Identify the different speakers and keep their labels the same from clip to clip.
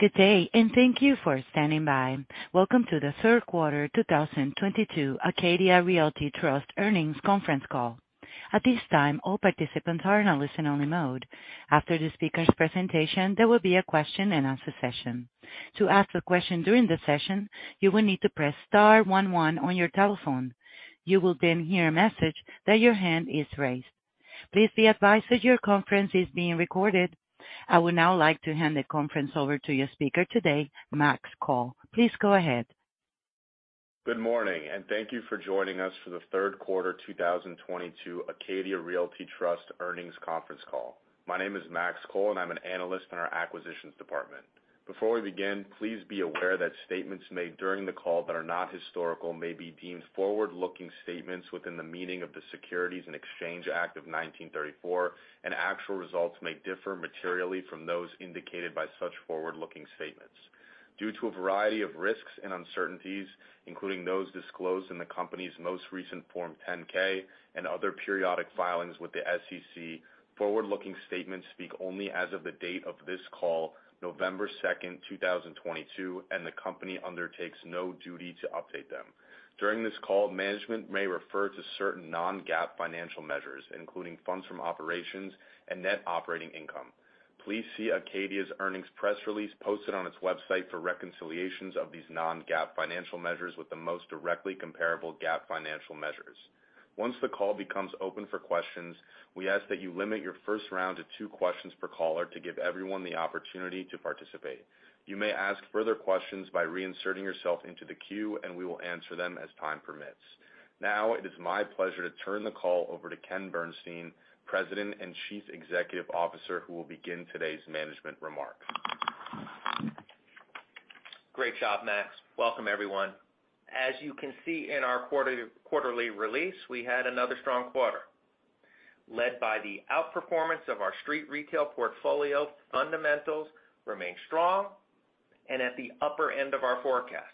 Speaker 1: Good day, thank you for standing by. Welcome to the third quarter 2022 Acadia Realty Trust earnings conference call. At this time, all participants are in a listen only mode. After the speaker's presentation, there will be a question and answer session. To ask a question during the session, you will need to press star one one on your telephone. You will then hear a message that your hand is raised. Please be advised that your conference is being recorded. I would now like to hand the conference over to your speaker today, Max Cole. Please go ahead.
Speaker 2: Good morning, and thank you for joining us for the third quarter 2022 Acadia Realty Trust earnings conference call. My name is Max Cole and I'm an Analyst in our Acquisitions Department. Before we begin, please be aware that statements made during the call that are not historical may be deemed forward-looking statements within the meaning of the Securities and Exchange Act of 1934, and actual results may differ materially from those indicated by such forward-looking statements. Due to a variety of risks and uncertainties, including those disclosed in the company's most recent Form 10-K and other periodic filings with the SEC, forward-looking statements speak only as of the date of this call, November 2nd, 2022, and the company undertakes no duty to update them. During this call, management may refer to certain non-GAAP financial measures, including funds from operations and net operating income. Please see Acadia's earnings press release posted on its website for reconciliations of these non-GAAP financial measures with the most directly comparable GAAP financial measures. Once the call becomes open for questions, we ask that you limit your first round to two questions per caller to give everyone the opportunity to participate. You may ask further questions by reinserting yourself into the queue, and we will answer them as time permits. Now it is my pleasure to turn the call over to Ken Bernstein, President and Chief Executive Officer, who will begin today's management remarks.
Speaker 3: Great job, Max. Welcome, everyone. As you can see in our quarterly release, we had another strong quarter. Led by the outperformance of our street retail portfolio, fundamentals remain strong and at the upper end of our forecast.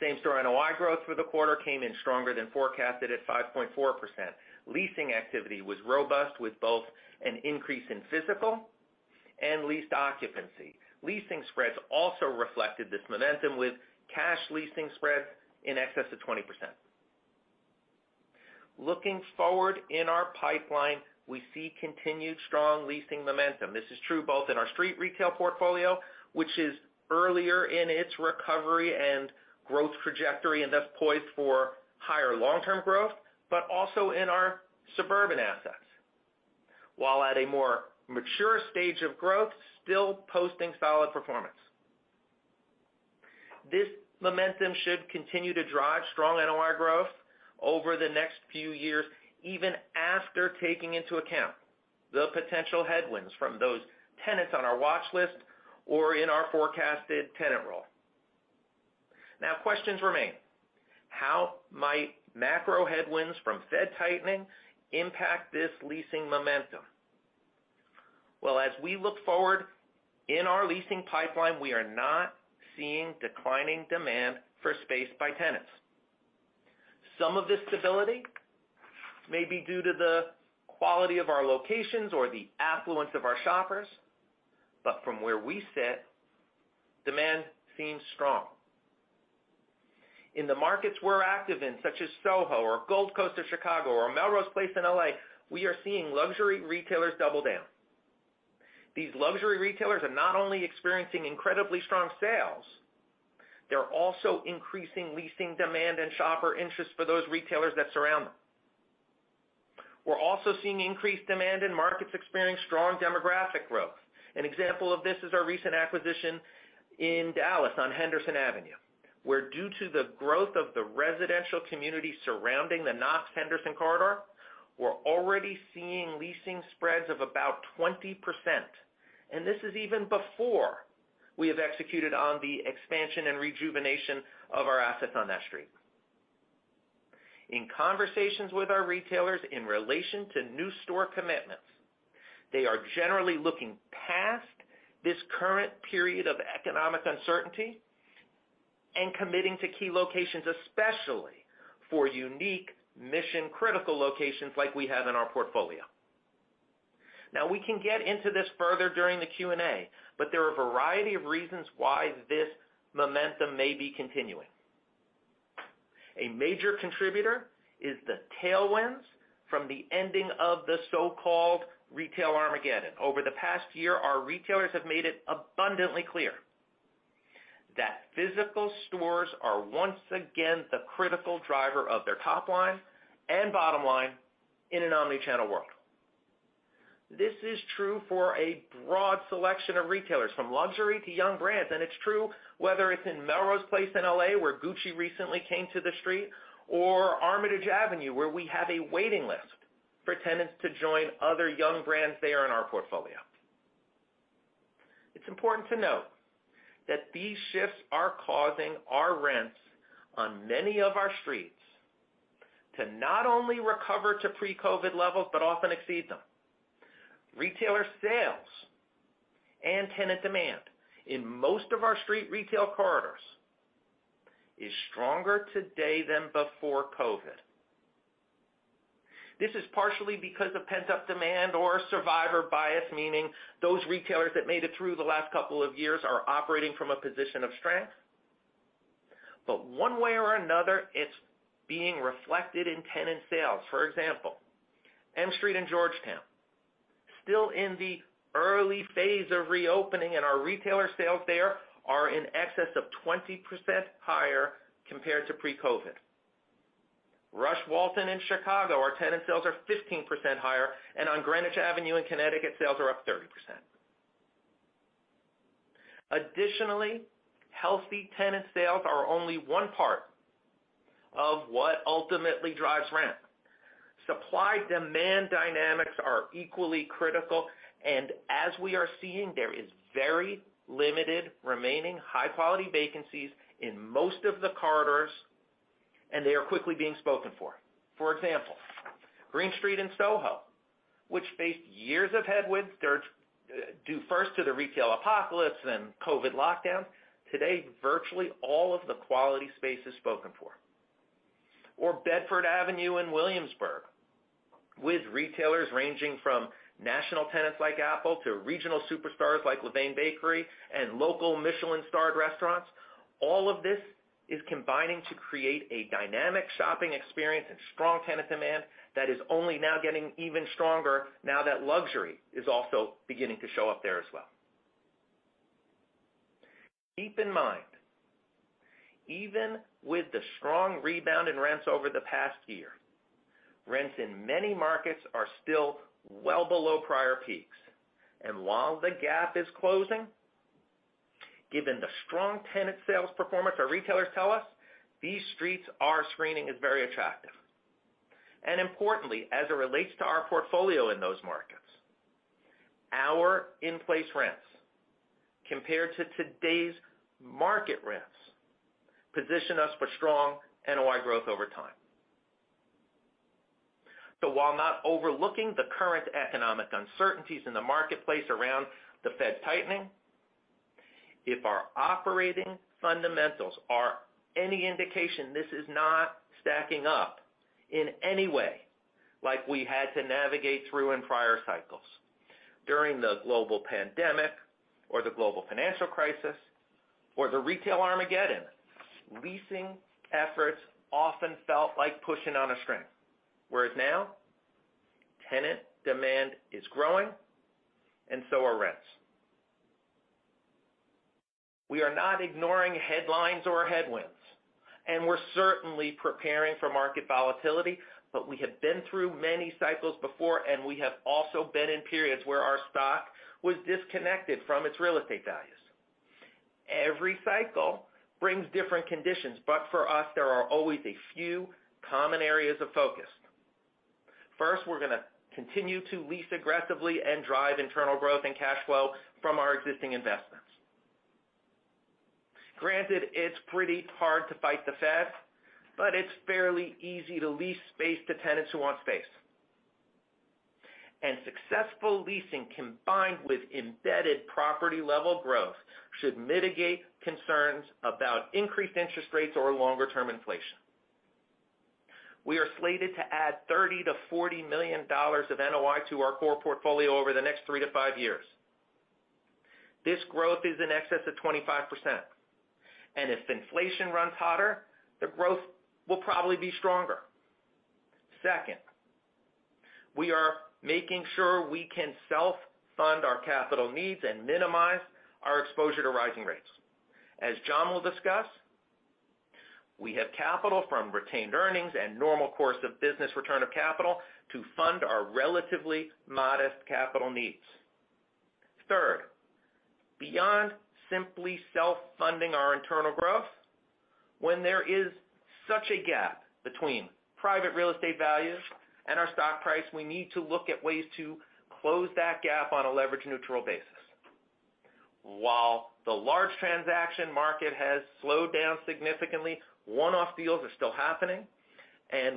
Speaker 3: Same-store NOI growth for the quarter came in stronger than forecasted at 5.4%. Leasing activity was robust, with both an increase in physical and leased occupancy. Leasing spreads also reflected this momentum with cash leasing spreads in excess of 20%. Looking forward in our pipeline, we see continued strong leasing momentum. This is true both in our street retail portfolio, which is earlier in its recovery and growth trajectory, and thus poised for higher long-term growth, but also in our suburban assets, while at a more mature stage of growth, still posting solid performance. This momentum should continue to drive strong NOI growth over the next few years, even after taking into account the potential headwinds from those tenants on our watch list or in our forecasted tenant roll. Questions remain. How might macro headwinds from Fed tightening impact this leasing momentum? Well, as we look forward in our leasing pipeline, we are not seeing declining demand for space by tenants. Some of this stability may be due to the quality of our locations or the affluence of our shoppers, but from where we sit, demand seems strong. In the markets we're active in, such as SoHo or Gold Coast of Chicago or Melrose Place in L.A., we are seeing luxury retailers double down. These luxury retailers are not only experiencing incredibly strong sales, they're also increasing leasing demand and shopper interest for those retailers that surround them. We're also seeing increased demand in markets experiencing strong demographic growth. An example of this is our recent acquisition in Dallas on Henderson Avenue, where due to the growth of the residential community surrounding the Knox-Henderson corridor, we're already seeing leasing spreads of about 20%. This is even before we have executed on the expansion and rejuvenation of our assets on that street. In conversations with our retailers in relation to new store commitments, they are generally looking past this current period of economic uncertainty and committing to key locations, especially for unique mission-critical locations like we have in our portfolio. Now, we can get into this further during the Q&A, but there are a variety of reasons why this momentum may be continuing. A major contributor is the tailwinds from the ending of the so-called retail Armageddon. Over the past year, our retailers have made it abundantly clear that physical stores are once again the critical driver of their top line and bottom line in an omni-channel world. This is true for a broad selection of retailers, from luxury to young brands, and it's true whether it's in Melrose Place in L.A., where Gucci recently came to the street, or Armitage Avenue, where we have a waiting list for tenants to join other young brands there in our portfolio. It's important to note that these shifts are causing our rents on many of our streets to not only recover to pre-COVID levels, but often exceed them. Retailer sales and tenant demand in most of our street retail corridors is stronger today than before COVID. This is partially because of pent-up demand or survivor bias, meaning those retailers that made it through the last couple of years are operating from a position of strength. One way or another, it's being reflected in tenant sales. For example, M Street in Georgetown, still in the early phase of reopening, and our retailer sales there are in excess of 20% higher compared to pre-COVID. Rush & Walton in Chicago, our tenant sales are 15% higher, and on Greenwich Avenue in Connecticut, sales are up 30%. Additionally, healthy tenant sales are only one part of what ultimately drives rent. Supply-demand dynamics are equally critical, and as we are seeing, there is very limited remaining high-quality vacancies in most of the corridors, and they are quickly being spoken for. For example, Greene Street in SoHo, which faced years of headwinds due first to the retail apocalypse, then COVID lockdown. Today, virtually all of the quality space is spoken for or Bedford Avenue in Williamsburg, with retailers ranging from national tenants like Apple to regional superstars like Levain Bakery and local Michelin-starred restaurants. All of this is combining to create a dynamic shopping experience and strong tenant demand that is only now getting even stronger now that luxury is also beginning to show up there as well. Keep in mind, even with the strong rebound in rents over the past year, rents in many markets are still well below prior peaks. While the gap is closing, given the strong tenant sales performance, our retailers tell us these streets are screening as very attractive. Importantly, as it relates to our portfolio in those markets, our in-place rents compared to today's market rents position us for strong NOI growth over time. While not overlooking the current economic uncertainties in the marketplace around the Fed tightening, if our operating fundamentals are any indication, this is not stacking up in any way like we had to navigate through in prior cycles. During the global pandemic or the global financial crisis or the retail Armageddon, leasing efforts often felt like pushing on a string, whereas now tenant demand is growing and so are rents. We are not ignoring headlines or headwinds, and we're certainly preparing for market volatility, but we have been through many cycles before, and we have also been in periods where our stock was disconnected from its real estate values. Every cycle brings different conditions, but for us, there are always a few common areas of focus. First, we're gonna continue to lease aggressively and drive internal growth and cash flow from our existing investments. Granted, it's pretty hard to fight the Fed, but it's fairly easy to lease space to tenants who want space. Successful leasing combined with embedded property-level growth should mitigate concerns about increased interest rates or longer-term inflation. We are slated to add $30 million-$40 million of NOI to our core portfolio over the next three-five years. This growth is in excess of 25%, and if inflation runs hotter, the growth will probably be stronger. Second, we are making sure we can self-fund our capital needs and minimize our exposure to rising rates. As John will discuss, we have capital from retained earnings and normal course of business return of capital to fund our relatively modest capital needs. Third, beyond simply self-funding our internal growth, when there is such a gap between private real estate values and our stock price, we need to look at ways to close that gap on a leverage-neutral basis. While the large transaction market has slowed down significantly, one-off deals are still happening.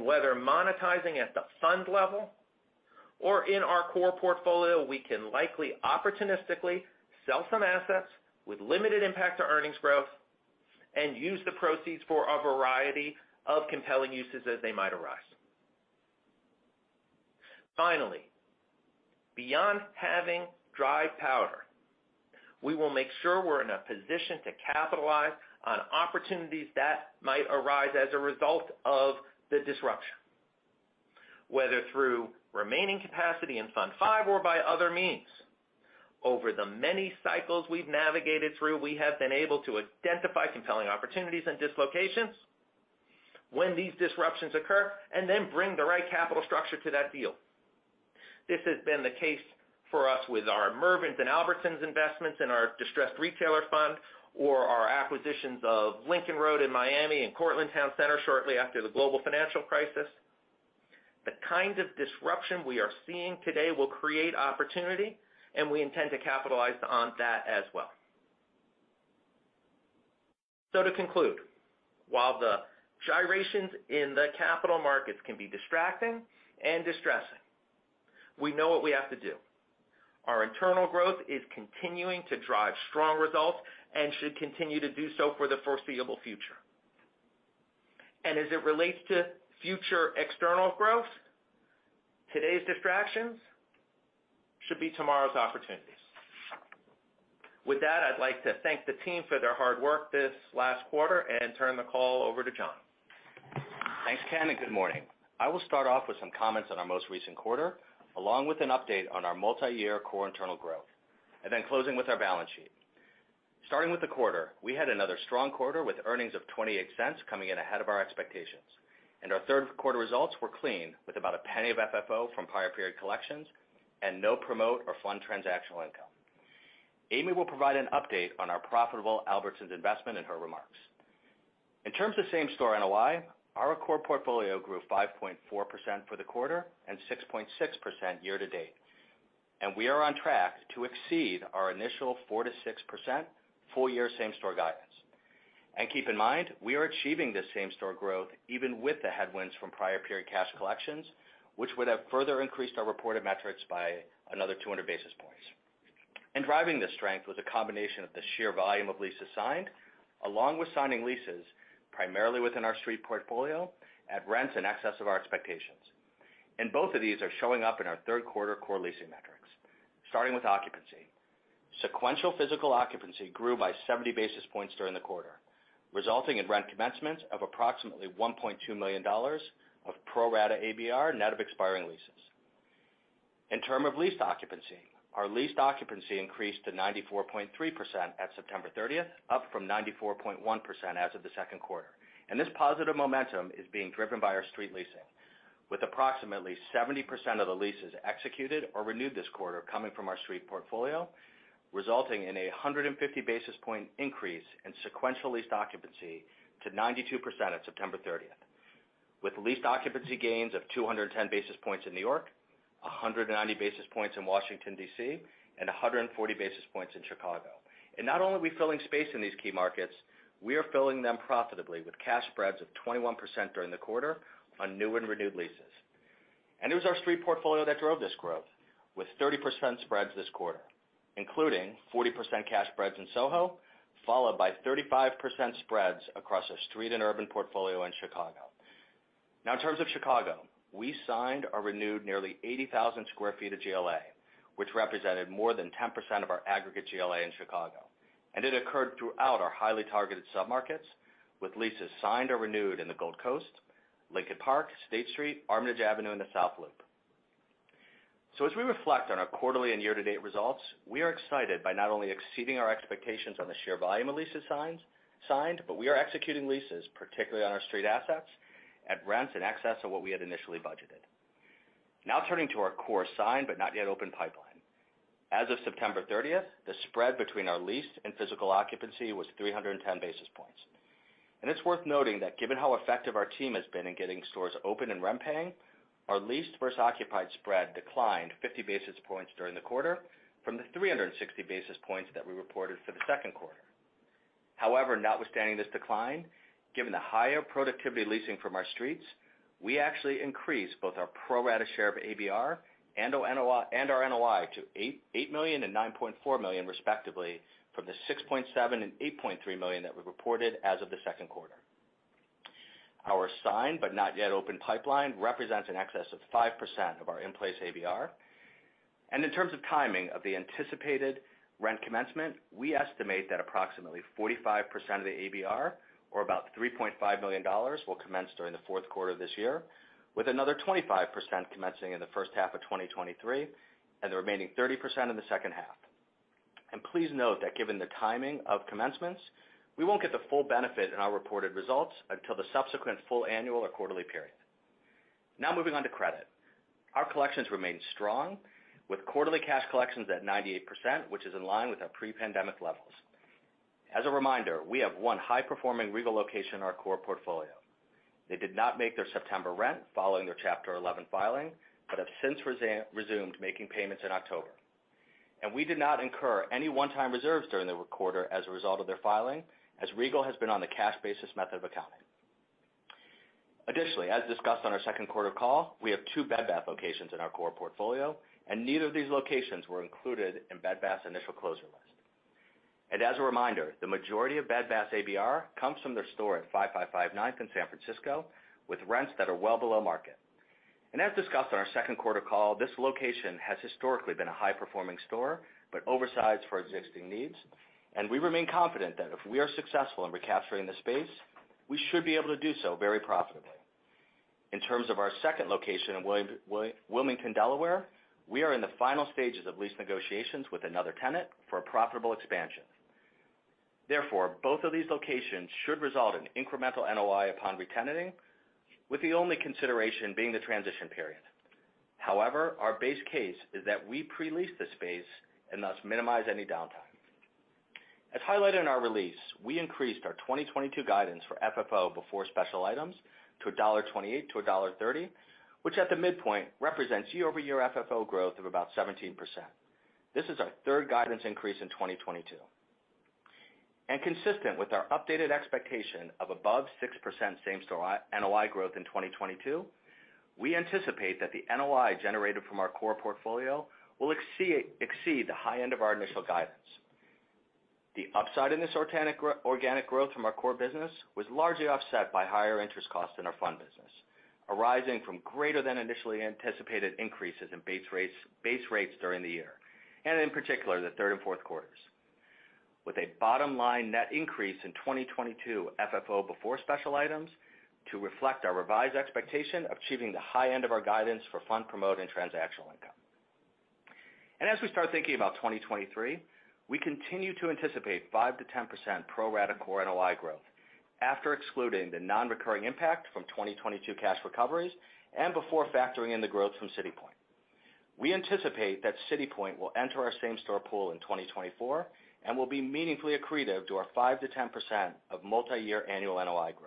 Speaker 3: Whether monetizing at the fund level or in our core portfolio, we can likely opportunistically sell some assets with limited impact to earnings growth and use the proceeds for a variety of compelling uses as they might arise. Finally, beyond having dry powder, we will make sure we're in a position to capitalize on opportunities that might arise as a result of the disruption, whether through remaining capacity in Fund V or by other means. Over the many cycles we've navigated through, we have been able to identify compelling opportunities and dislocations when these disruptions occur, and then bring the right capital structure to that deal. This has been the case for us with our Mervyn's and Albertsons investments in our distressed retailer fund or our acquisitions of Lincoln Road in Miami and Cortlandt Town Center shortly after the global financial crisis. The kinds of disruption we are seeing today will create opportunity, and we intend to capitalize on that as well. To conclude, while the gyrations in the capital markets can be distracting and distressing. We know what we have to do. Our internal growth is continuing to drive strong results and should continue to do so for the foreseeable future. As it relates to future external growth, today's distractions should be tomorrow's opportunities. With that, I'd like to thank the team for their hard work this last quarter and turn the call over to John.
Speaker 4: Thanks, Ken, and good morning. I will start off with some comments on our most recent quarter, along with an update on our multi-year core internal growth, and then closing with our balance sheet. Starting with the quarter, we had another strong quarter with earnings of $0.28 coming in ahead of our expectations. Our third quarter results were clean, with about a penny of FFO from prior period collections and no promote or fund transactional income. Amy will provide an update on our profitable Albertsons investment in her remarks. In terms of same-store NOI, our core portfolio grew 5.4% for the quarter and 6.6% year to date. We are on track to exceed our initial 4%-6% full year same-store guidance. Keep in mind, we are achieving this same-store growth even with the headwinds from prior period cash collections, which would have further increased our reported metrics by another 200 basis points. Driving this strength was a combination of the sheer volume of leases signed, along with signing leases primarily within our street portfolio at rents in excess of our expectations. Both of these are showing up in our third quarter core leasing metrics, starting with occupancy. Sequential physical occupancy grew by 70 basis points during the quarter, resulting in rent commencements of approximately $1.2 million of pro rata ABR net of expiring leases. In terms of leased occupancy, our leased occupancy increased to 94.3% at September 30th, up from 94.1% as of the second quarter. This positive momentum is being driven by our street leasing, with approximately 70% of the leases executed or renewed this quarter coming from our street portfolio, resulting in a 150 basis point increase in sequential leased occupancy to 92% at September 30, with leased occupancy gains of 210 basis points in New York, 190 basis points in Washington, D.C., and 140 basis points in Chicago. Not only are we filling space in these key markets, we are filling them profitably with cash spreads of 21% during the quarter on new and renewed leases. It was our street portfolio that drove this growth with 30% spreads this quarter, including 40% cash spreads in SoHo, followed by 35% spreads across our street and urban portfolio in Chicago. Now in terms of Chicago, we signed or renewed nearly 80,000 sq ft of GLA, which represented more than 10% of our aggregate GLA in Chicago. It occurred throughout our highly targeted submarkets with leases signed or renewed in the Gold Coast, Lincoln Park, State Street, Armitage Avenue, and the South Loop. As we reflect on our quarterly and year-to-date results, we are excited by not only exceeding our expectations on the sheer volume of leases signed, but we are executing leases, particularly on our street assets, at rents in excess of what we had initially budgeted. Now turning to our core signed but not yet open pipeline. As of September 30th, the spread between our leased and physical occupancy was 310 basis points. It's worth noting that given how effective our team has been in getting stores open and rent-paying, our leased versus occupied spread declined 50 basis points during the quarter from the 360 basis points that we reported for the second quarter. However, notwithstanding this decline, given the higher productivity leasing from our streets, we actually increased both our pro rata share of ABR and NOI and our NOI to $8.8 million and $9.4 million respectively from the $6.7 million and $8.3 million that we reported as of the second quarter. Our signed but not yet open pipeline represents an excess of 5% of our in-place ABR. In terms of timing of the anticipated rent commencement, we estimate that approximately 45% of the ABR, or about $3.5 million, will commence during the fourth quarter of this year, with another 25% commencing in the first half of 2023, and the remaining 30% in the second half. Please note that given the timing of commencements, we won't get the full benefit in our reported results until the subsequent full annual or quarterly period. Now moving on to credit. Our collections remain strong with quarterly cash collections at 98%, which is in line with our pre-pandemic levels. As a reminder, we have one high-performing Regal location in our core portfolio. They did not make their September rent following their Chapter 11 filing, but have since resumed making payments in October. We did not incur any one-time reserves during the quarter as a result of their filing, as Regal has been on the cash basis method of accounting. Additionally, as discussed on our second quarter call, we have two Bed Bath locations in our core portfolio, and neither of these locations were included in Bed Bath's initial closure list. As a reminder, the majority of Bed Bath's ABR comes from their store at 555 Ninth in San Francisco with rents that are well below market. As discussed on our second quarter call, this location has historically been a high-performing store, but oversized for existing needs. We remain confident that if we are successful in recapturing the space, we should be able to do so very profitably. In terms of our second location in Wilmington, Delaware, we are in the final stages of lease negotiations with another tenant for a profitable expansion. Therefore, both of these locations should result in incremental NOI upon retenanting, with the only consideration being the transition period. However, our base case is that we pre-lease the space and thus minimize any downtime. As highlighted in our release, we increased our 2022 guidance for FFO before special items to $1.28-$1.30, which at the midpoint represents year-over-year FFO growth of about 17%. This is our third guidance increase in 2022. Consistent with our updated expectation of above 6% same-store NOI growth in 2022, we anticipate that the NOI generated from our core portfolio will exceed the high end of our initial guidance. The upside in this organic growth from our core business was largely offset by higher interest costs in our fund business, arising from greater than initially anticipated increases in base rates during the year, and in particular, the third and fourth quarters. With a bottom-line net increase in 2022 FFO before special items to reflect our revised expectation of achieving the high end of our guidance for fund promote and transactional income. as we start thinking about 2023, we continue to anticipate 5%-10% pro rata core NOI growth after excluding the non-recurring impact from 2022 cash recoveries and before factoring in the growth from City Point. We anticipate that City Point will enter our same-store pool in 2024 and will be meaningfully accretive to our 5%-10% of multiyear annual NOI growth.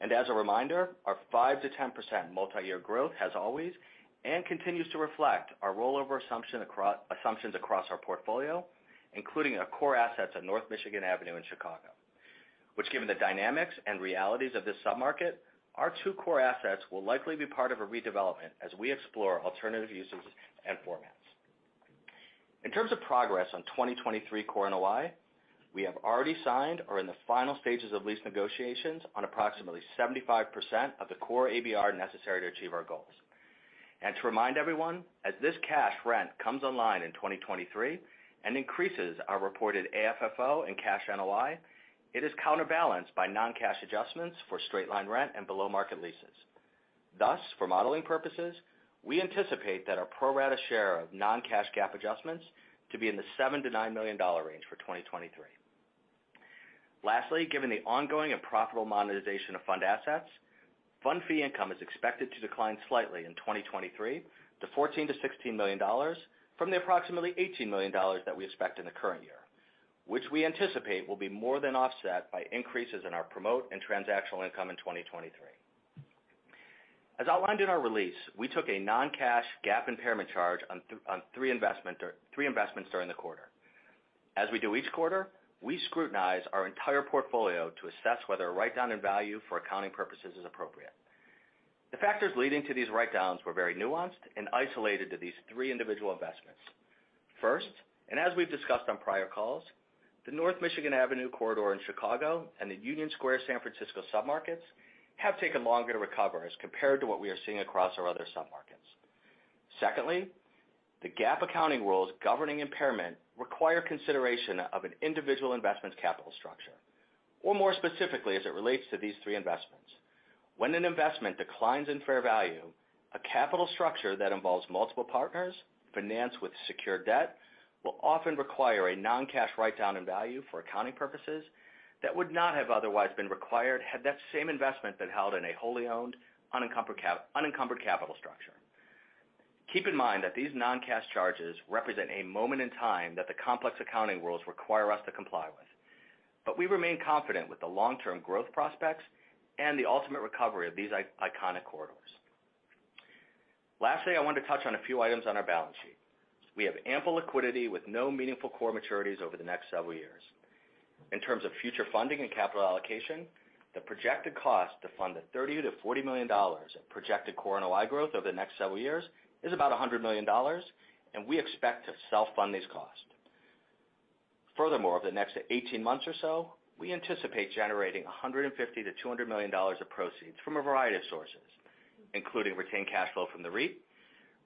Speaker 4: As a reminder, our 5%-10% multiyear growth has always and continues to reflect our rollover assumptions across our portfolio, including our core assets at North Michigan Avenue in Chicago, which given the dynamics and realities of this sub-market, our two core assets will likely be part of a redevelopment as we explore alternative uses and formats. In terms of progress on 2023 core NOI, we have already signed or in the final stages of lease negotiations on approximately 75% of the core ABR necessary to achieve our goals. To remind everyone, as this cash rent comes online in 2023 and increases our reported AFFO and cash NOI, it is counterbalanced by non-cash adjustments for straight line rent and below-market leases. Thus, for modeling purposes, we anticipate that our pro rata share of non-cash GAAP adjustments to be in the $7 million-$9 million range for 2023. Lastly, given the ongoing and profitable monetization of fund assets, fund fee income is expected to decline slightly in 2023 to $14 million-$16 million from the approximately $18 million that we expect in the current year, which we anticipate will be more than offset by increases in our promote and transactional income in 2023. As outlined in our release, we took a non-cash GAAP impairment charge on three investments during the quarter. As we do each quarter, we scrutinize our entire portfolio to assess whether a write-down in value for accounting purposes is appropriate. The factors leading to these write-downs were very nuanced and isolated to these three individual investments. First, as we've discussed on prior calls, the North Michigan Avenue corridor in Chicago and the Union Square San Francisco submarkets have taken longer to recover as compared to what we are seeing across our other submarkets. Secondly, the GAAP accounting rules governing impairment require consideration of an individual investment's capital structure. More specifically, as it relates to these three investments, when an investment declines in fair value, a capital structure that involves multiple partners financed with secured debt will often require a non-cash write-down in value for accounting purposes that would not have otherwise been required had that same investment been held in a wholly owned, unencumbered capital structure. Keep in mind that these non-cash charges represent a moment in time that the complex accounting rules require us to comply with. We remain confident with the long-term growth prospects and the ultimate recovery of these i-iconic corridors. Lastly, I want to touch on a few items on our balance sheet. We have ample liquidity with no meaningful core maturities over the next several years. In terms of future funding and capital allocation, the projected cost to fund the $30 million-$40 million of projected core NOI growth over the next several years is about $100 million, and we expect to self-fund these costs. Furthermore, over the next 18 months or so, we anticipate generating $150 million-$200 million of proceeds from a variety of sources, including retained cash flow from the REIT,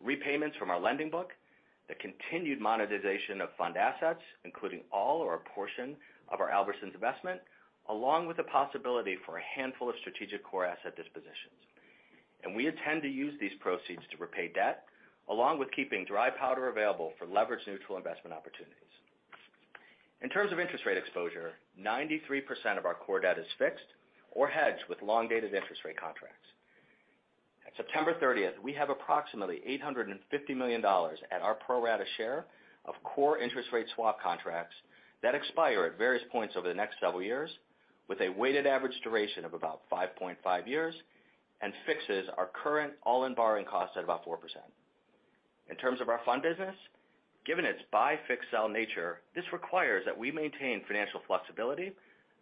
Speaker 4: repayments from our lending book, the continued monetization of fund assets, including all or a portion of our Albertsons investment, along with the possibility for a handful of strategic core asset dispositions. We intend to use these proceeds to repay debt, along with keeping dry powder available for leverage neutral investment opportunities. In terms of interest rate exposure, 93% of our core debt is fixed or hedged with long-dated interest rate contracts. At September 30, we have approximately $850 million at our pro rata share of core interest rate swap contracts that expire at various points over the next several years with a weighted average duration of about 5.5 years and fixes our current all-in borrowing costs at about 4%. In terms of our fund business, given its buy, fix, sell nature, this requires that we maintain financial flexibility.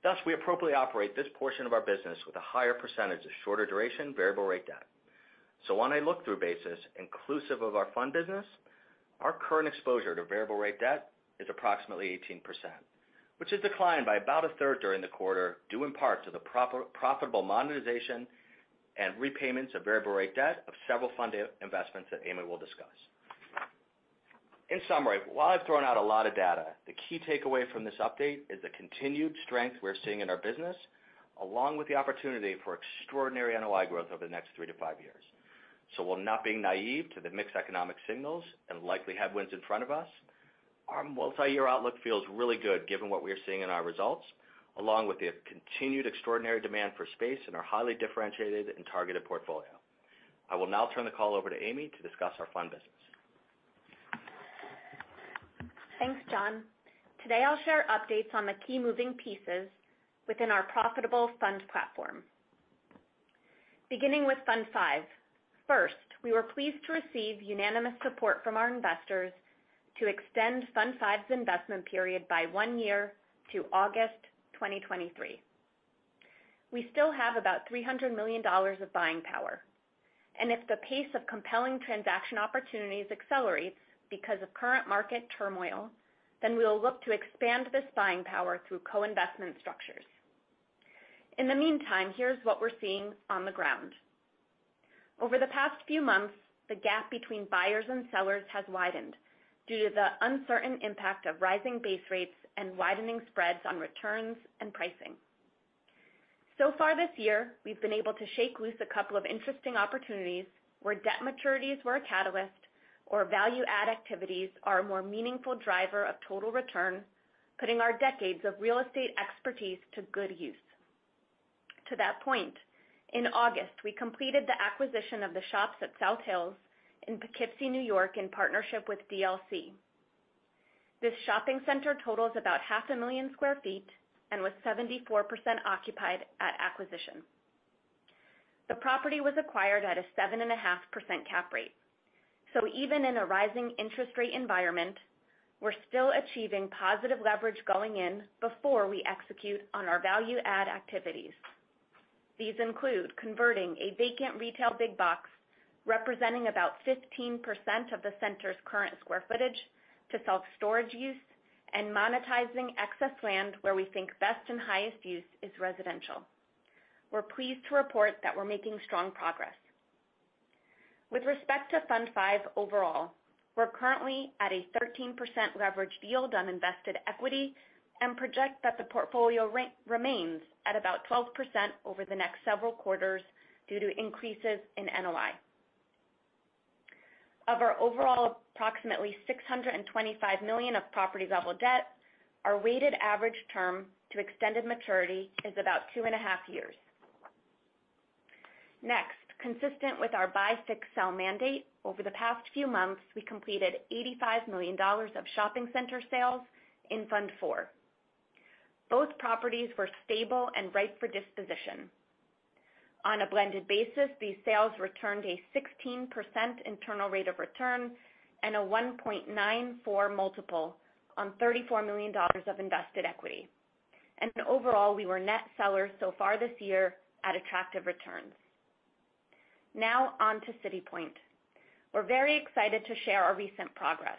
Speaker 4: Thus, we appropriately operate this portion of our business with a higher percentage of shorter duration variable rate debt. On a look-through basis, inclusive of our fund business, our current exposure to variable rate debt is approximately 18%, which has declined by about a third during the quarter, due in part to the profitable monetization and repayments of variable rate debt of several fund investments that Amy will discuss. In summary, while I've thrown out a lot of data, the key takeaway from this update is the continued strength we're seeing in our business, along with the opportunity for extraordinary NOI growth over the next three-five years. While not being naive to the mixed economic signals and likely headwinds in front of us, our multiyear outlook feels really good given what we are seeing in our results, along with the continued extraordinary demand for space in our highly differentiated and targeted portfolio. I will now turn the call over to Amy to discuss our fund business.
Speaker 5: Thanks, John. Today, I'll share updates on the key moving pieces within our profitable fund platform. Beginning with Fund V. First, we were pleased to receive unanimous support from our investors to extend Fund V's investment period by one year to August 2023. We still have about $300 million of buying power, and if the pace of compelling transaction opportunities accelerates because of current market turmoil, then we'll look to expand this buying power through co-investment structures. In the meantime, here's what we're seeing on the ground. Over the past few months, the gap between buyers and sellers has widened due to the uncertain impact of rising base rates and widening spreads on returns and pricing. So far this year, we've been able to shake loose a couple of interesting opportunities where debt maturities were a catalyst or value add activities are a more meaningful driver of total return, putting our decades of real estate expertise to good use. To that point, in August, we completed the acquisition of the Shoppes at South Hills in Poughkeepsie, New York, in partnership with DLC. This shopping center totals about 500,000 sq ft and was 74% occupied at acquisition. The property was acquired at a 7.5% cap rate. Even in a rising interest rate environment, we're still achieving positive leverage going in before we execute on our value add activities. These include converting a vacant retail big box representing about 15% of the center's current square footage to self-storage use, and monetizing excess land where we think best and highest use is residential. We're pleased to report that we're making strong progress. With respect to Fund V overall, we're currently at a 13% leverage yield on invested equity and project that the portfolio remains at about 12% over the next several quarters due to increases in NOI. Of our overall approximately $625 million of property level debt, our weighted average term to extended maturity is about two and a half years. Next, consistent with our buy, fix, sell mandate, over the past few months, we completed $85 million of shopping center sales in Fund IV. Both properties were stable and ripe for disposition. On a blended basis, these sales returned a 16% internal rate of return and a 1.94 multiple on $34 million of invested equity. Overall, we were net sellers so far this year at attractive returns. Now on to City Point. We're very excited to share our recent progress.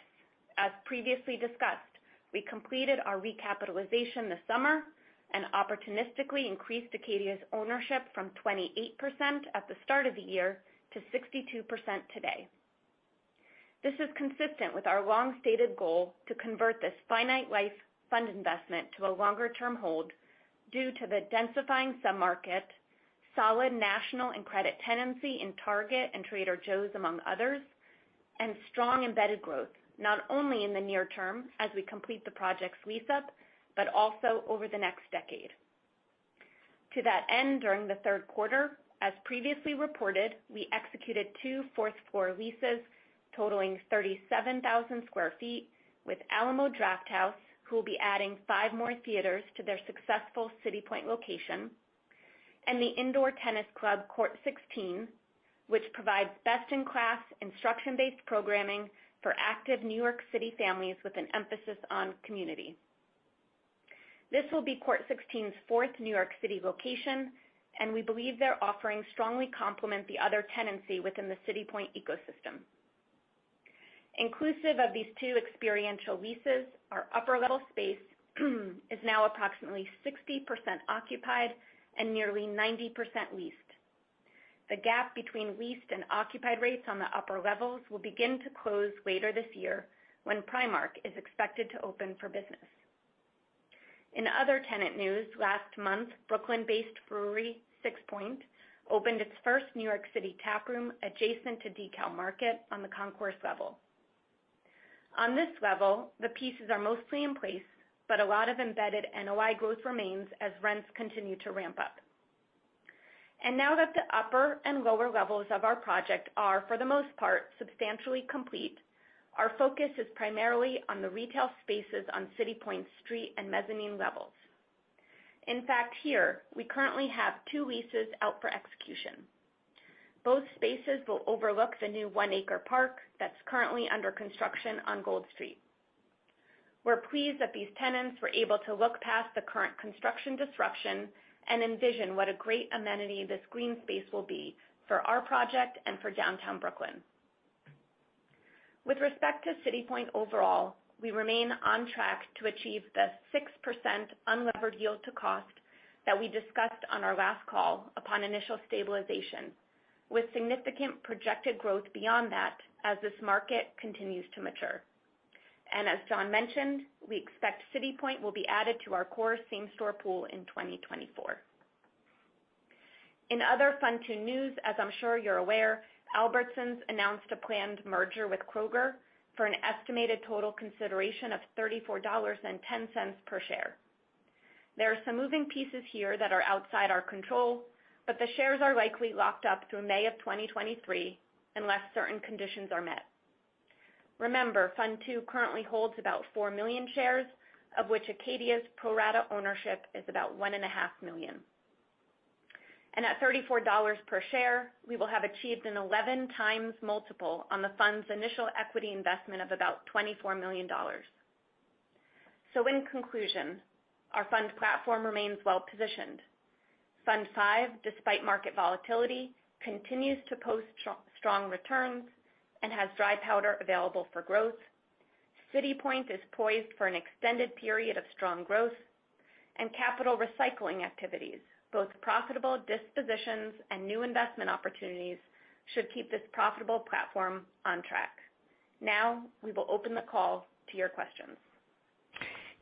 Speaker 5: As previously discussed, we completed our recapitalization this summer and opportunistically increased Acadia's ownership from 28% at the start of the year to 62% today. This is consistent with our long-stated goal to convert this finite life fund investment to a longer term hold due to the densifying sub-market, solid national and credit tenancy in Target and Trader Joe's, among others, and strong embedded growth, not only in the near term as we complete the project's lease-up, but also over the next decade. To that end, during the third quarter, as previously reported, we executed two fourth-floor leases totaling 37,000 sq ft with Alamo Drafthouse, who will be adding five more theaters to their successful City Point location, and the indoor tennis club Court 16, which provides best-in-class instruction-based programming for active New York City families with an emphasis on community. This will be Court 16's fourth New York City location, and we believe their offerings strongly complement the other tenancy within the City Point ecosystem. Inclusive of these two experiential leases, our upper-level space is now approximately 60% occupied and nearly 90% leased. The gap between leased and occupied rates on the upper levels will begin to close later this year when Primark is expected to open for business. In other tenant news, last month, Brooklyn-based brewery Sixpoint opened its first New York City tap room adjacent to Brooklyn-based brewery Sixpoint Brewery. On this level, the pieces are mostly in place, but a lot of embedded NOI growth remains as rents continue to ramp up. Now that the upper and lower levels of our project are, for the most part, substantially complete, our focus is primarily on the retail spaces on City Point's street and mezzanine levels. In fact, here we currently have two leases out for execution. Both spaces will overlook the new one-acre park that's currently under construction on Gold Street. We're pleased that these tenants were able to look past the current construction disruption and envision what a great amenity this green space will be for our project and for downtown Brooklyn. With respect to City Point overall, we remain on track to achieve the 6% unlevered yield to cost that we discussed on our last call upon initial stabilization, with significant projected growth beyond that as this market continues to mature. As John mentioned, we expect City Point will be added to our core same-store pool in 2024. In other Fund II news, as I'm sure you're aware, Albertsons announced a planned merger with Kroger for an estimated total consideration of $34.10 per share. There are some moving pieces here that are outside our control, but the shares are likely locked up through May 2023 unless certain conditions are met. Remember, Fund II currently holds about 4 million shares, of which Acadia's pro rata ownership is about 1.5 million. At $34 per share, we will have achieved an 11x multiple on the fund's initial equity investment of about $24 million. In conclusion, our fund platform remains well-positioned. Fund V, despite market volatility, continues to post strong returns and has dry powder available for growth. City Point is poised for an extended period of strong growth and capital recycling activities. Both profitable dispositions and new investment opportunities should keep this profitable platform on track. Now we will open the call to your questions.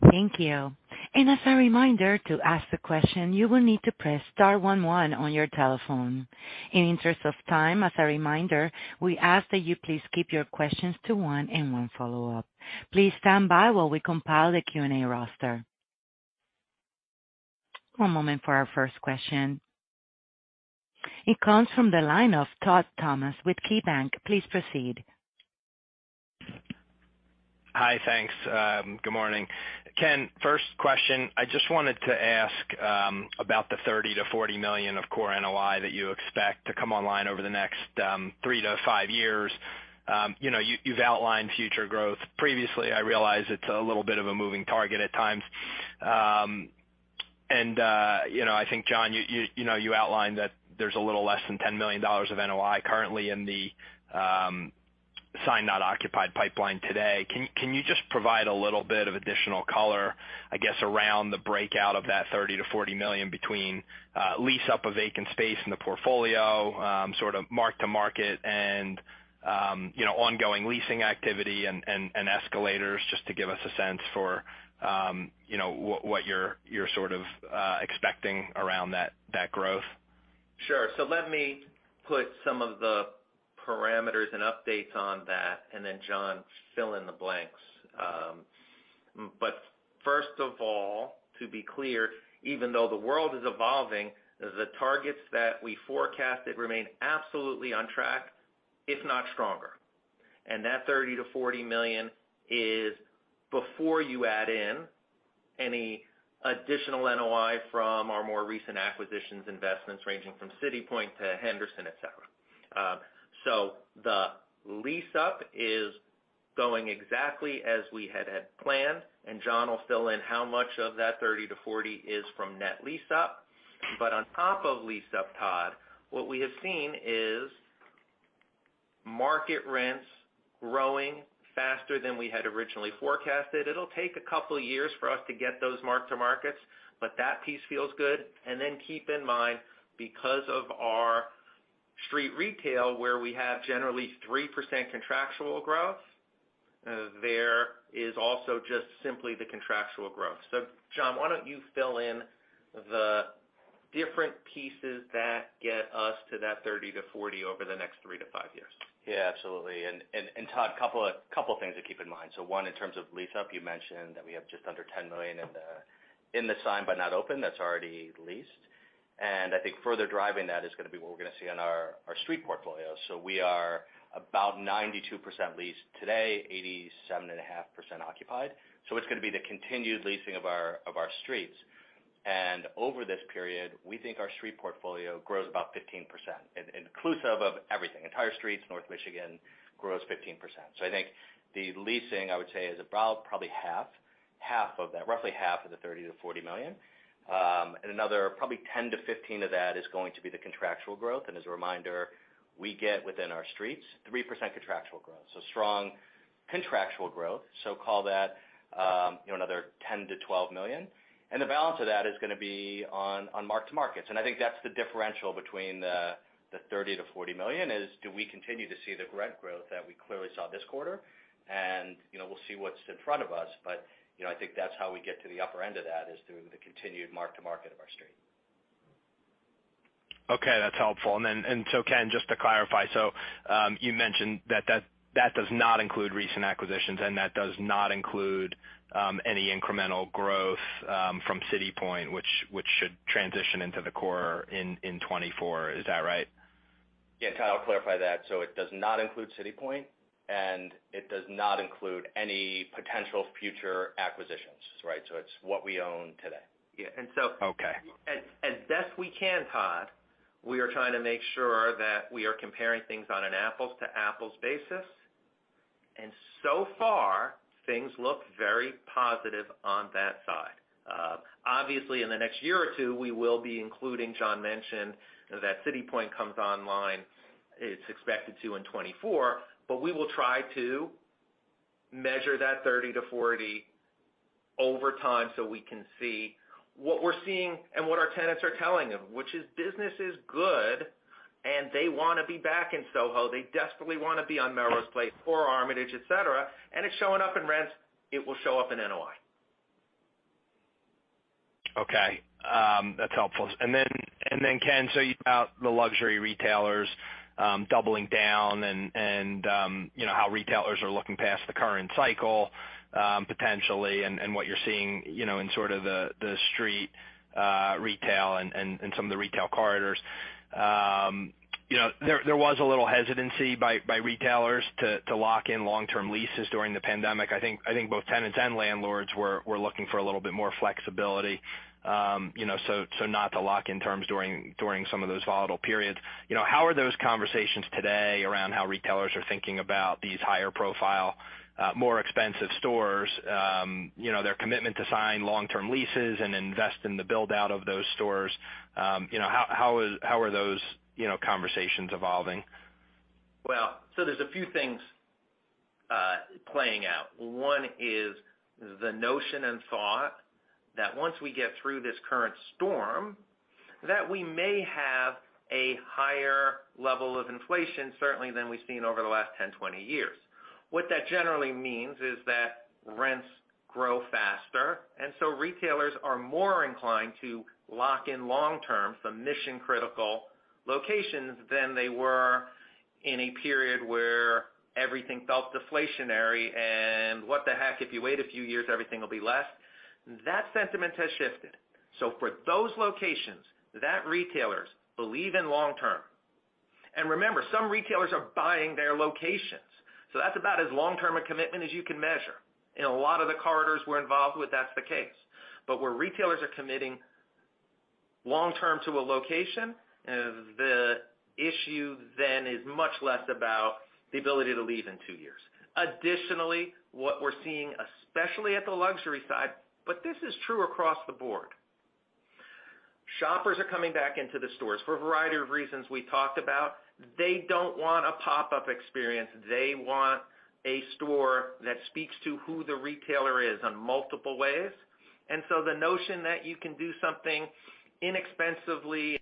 Speaker 1: Thank you. As a reminder, to ask the question, you will need to press star one one on your telephone. In the interest of time, as a reminder, we ask that you please keep your questions to one and one follow-up. Please stand by while we compile the Q&A roster. One moment for our first question. It comes from the line of Todd Thomas with KeyBanc. Please proceed.
Speaker 6: Hi. Thanks. Good morning. Ken, first question. I just wanted to ask about the $30 million-$40 million of core NOI that you expect to come online over the next three-five years. You know, you've outlined future growth previously. I realize it's a little bit of a moving target at times. You know, I think, John, you know, you outlined that there's a little less than $10 million of NOI currently in the signed not occupied pipeline today. Can you just provide a little bit of additional color, I guess, around the breakout of that $30 million-$40 million between lease up a vacant space in the portfolio, sort of mark-to-market and, you know, ongoing leasing activity and escalators, just to give us a sense for, you know, what you're sort of expecting around that growth?
Speaker 3: Let me put some of the parameters and updates on that, and then, John, fill in the blanks. First of all, to be clear, even though the world is evolving, the targets that we forecasted remain absolutely on track, if not stronger. That $30 million-$40 million is before you add in any additional NOI from our more recent acquisitions, investments ranging from City Point to Henderson, et cetera. The lease up is going exactly as we had had planned, and John will fill in how much of that $30 million-$40 million is from net lease up. On top of lease up, Todd, what we have seen is market rents growing faster than we had originally forecasted. It'll take a couple of years for us to get those mark-to-markets, but that piece feels good. Keep in mind, because of our street retail, where we have generally 3% contractual growth, there is also just simply the contractual growth. John, why don't you fill in the different pieces that get us to that 30%-40% over the next three-five years.
Speaker 4: Yeah, absolutely. Todd, a couple things to keep in mind. One, in terms of lease up, you mentioned that we have just under $10 million in the signed but not open. That's already leased. I think further driving that is gonna be what we're gonna see on our street portfolio. We are about 92% leased today, 87.5% occupied. It's gonna be the continued leasing of our streets. Over this period, we think our street portfolio grows about 15%, inclusive of everything. Entire streets, North Michigan grows 15%. I think the leasing, I would say, is about probably half of that, roughly half of the $30 million-$40 million. Another probably $10 million-$15 million of that is going to be the contractual growth. As a reminder, we get within our streets 3% contractual growth. Strong contractual growth. Call that, you know, another $10 million-$12 million. The balance of that is gonna be on mark-to-markets. I think that's the differential between the $30 million-$40 million is do we continue to see the rent growth that we clearly saw this quarter? You know, we'll see what's in front of us. You know, I think that's how we get to the upper end of that is through the continued mark-to-market of our street.
Speaker 6: Okay, that's helpful. Ken, just to clarify. You mentioned that does not include recent acquisitions and that does not include any incremental growth from City Point, which should transition into the core in 2024. Is that right?
Speaker 4: Yeah. Todd, I'll clarify that. It does not include City Point, and it does not include any potential future acquisitions. Right. It's what we own today.
Speaker 3: Yeah.
Speaker 6: Okay.
Speaker 3: As best we can, Todd, we are trying to make sure that we are comparing things on an apples to apples basis. So far, things look very positive on that side. Obviously, in the next year or two, we will be including, John mentioned, that City Point comes online. It's expected to in 2024. We will try to measure that $30 million-$40 million over time so we can see what we're seeing and what our tenants are telling them, which is business is good and they wanna be back in SoHo. They desperately wanna be on Melrose Place or Armitage, et cetera, and it's showing up in rents. It will show up in NOI.
Speaker 6: Okay. That's helpful. Ken, the luxury retailers doubling down and you know, how retailers are looking past the current cycle potentially and what you're seeing you know in sort of the street retail and some of the retail corridors. You know, there was a little hesitancy by retailers to lock in long-term leases during the pandemic. I think both tenants and landlords were looking for a little bit more flexibility you know so not to lock in terms during some of those volatile periods. You know, how are those conversations today around how retailers are thinking about these higher profile more expensive stores you know their commitment to sign long-term leases and invest in the build-out of those stores? You know, how are those, you know, conversations evolving?
Speaker 3: Well, there's a few things playing out. One is the notion and thought that once we get through this current storm, that we may have a higher level of inflation, certainly than we've seen over the last 10, 20 years. What that generally means is that rents grow faster, and retailers are more inclined to lock in long-term some mission-critical locations than they were in a period where everything felt deflationary and what the heck, if you wait a few years, everything will be less. That sentiment has shifted. For those locations that retailers believe in long-term. Remember, some retailers are buying their locations, so that's about as long-term a commitment as you can measure. In a lot of the corridors we're involved with, that's the case. Where retailers are committing long-term to a location, the issue then is much less about the ability to leave in two years. Additionally, what we're seeing, especially at the luxury side. This is true across the board. Shoppers are coming back into the stores for a variety of reasons we talked about. They don't want a pop-up experience. They want a store that speaks to who the retailer is in multiple ways. The notion that you can do something inexpensively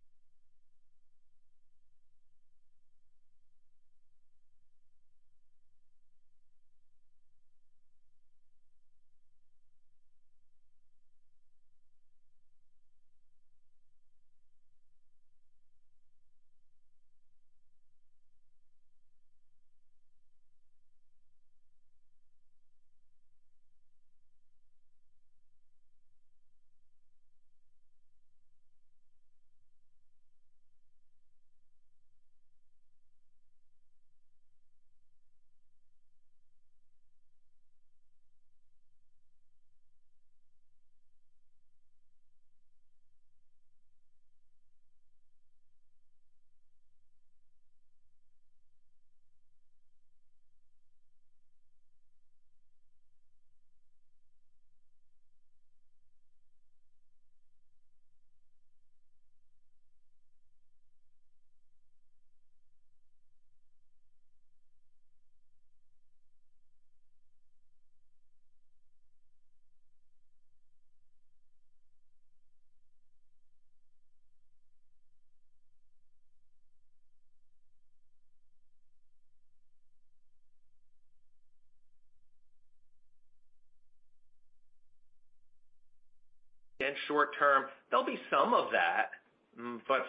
Speaker 3: and short term, there'll be some of that.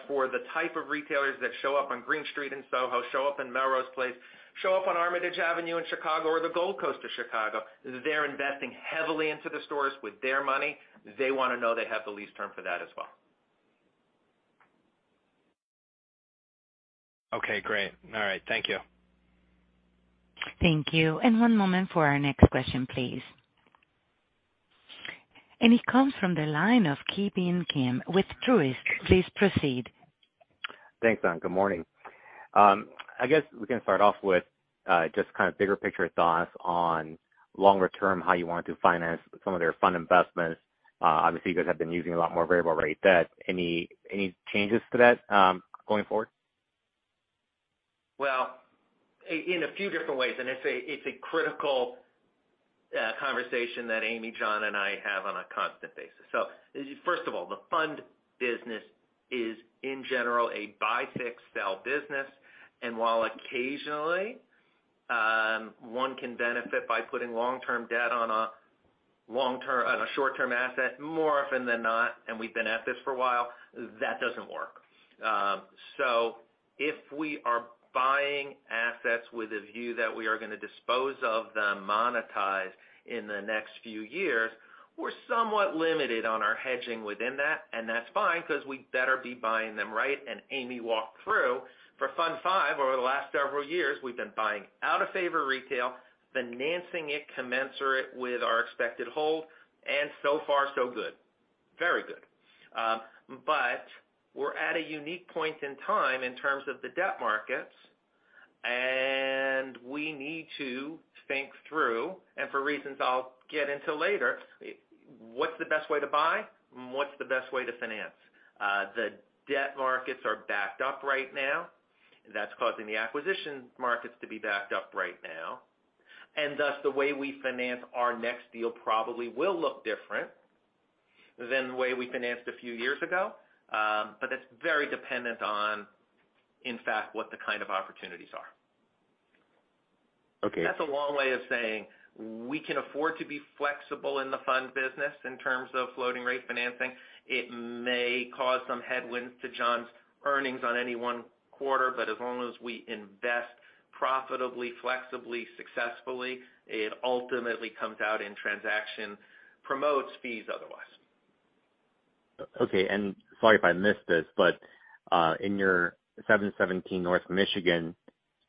Speaker 3: For the type of retailers that show up on Greene Street in SoHo, show up in Melrose Place, show up on Armitage Avenue in Chicago or the Gold Coast of Chicago, they're investing heavily into the stores with their money. They wanna know they have the lease term for that as well.
Speaker 6: Okay, great. All right. Thank you.
Speaker 1: Thank you. One moment for our next question, please. It comes from the line of Ki Bin Kim with Truist. Please proceed.
Speaker 7: Thanks. Good morning. I guess we can start off with just kind of bigger picture thoughts on longer term, how you want to finance some of their fund investments. Obviously, you guys have been using a lot more variable rate debt. Any changes to that, going forward?
Speaker 3: Well, in a few different ways, and it's a critical conversation that Amy, John, and I have on a constant basis. First of all, the fund business is, in general, a buy, fix, sell business. While occasionally one can benefit by putting long-term debt on a short-term asset, more often than not, and we've been at this for a while, that doesn't work. If we are buying assets with a view that we are gonna dispose of them, monetize in the next few years, we're somewhat limited on our hedging within that, and that's fine because we better be buying them right. Amy walked through for Fund five over the last several years, we've been buying out-of-favor retail, financing it commensurate with our expected hold, and so far, so good. Very good. We're at a unique point in time in terms of the debt markets, and we need to think through, and for reasons I'll get into later, what's the best way to buy and what's the best way to finance. The debt markets are backed up right now. That's causing the acquisition markets to be backed up right now. Thus, the way we finance our next deal probably will look different than the way we financed a few years ago. That's very dependent on, in fact, what the kind of opportunities are.
Speaker 7: Okay.
Speaker 3: That's a long way of saying we can afford to be flexible in the fund business in terms of floating rate financing. It may cause some headwinds to John's earnings on any one quarter, but as long as we invest profitably, flexibly, successfully, it ultimately comes out in transaction promotes fees otherwise.
Speaker 7: Okay. Sorry if I missed this, but in your 717 North Michigan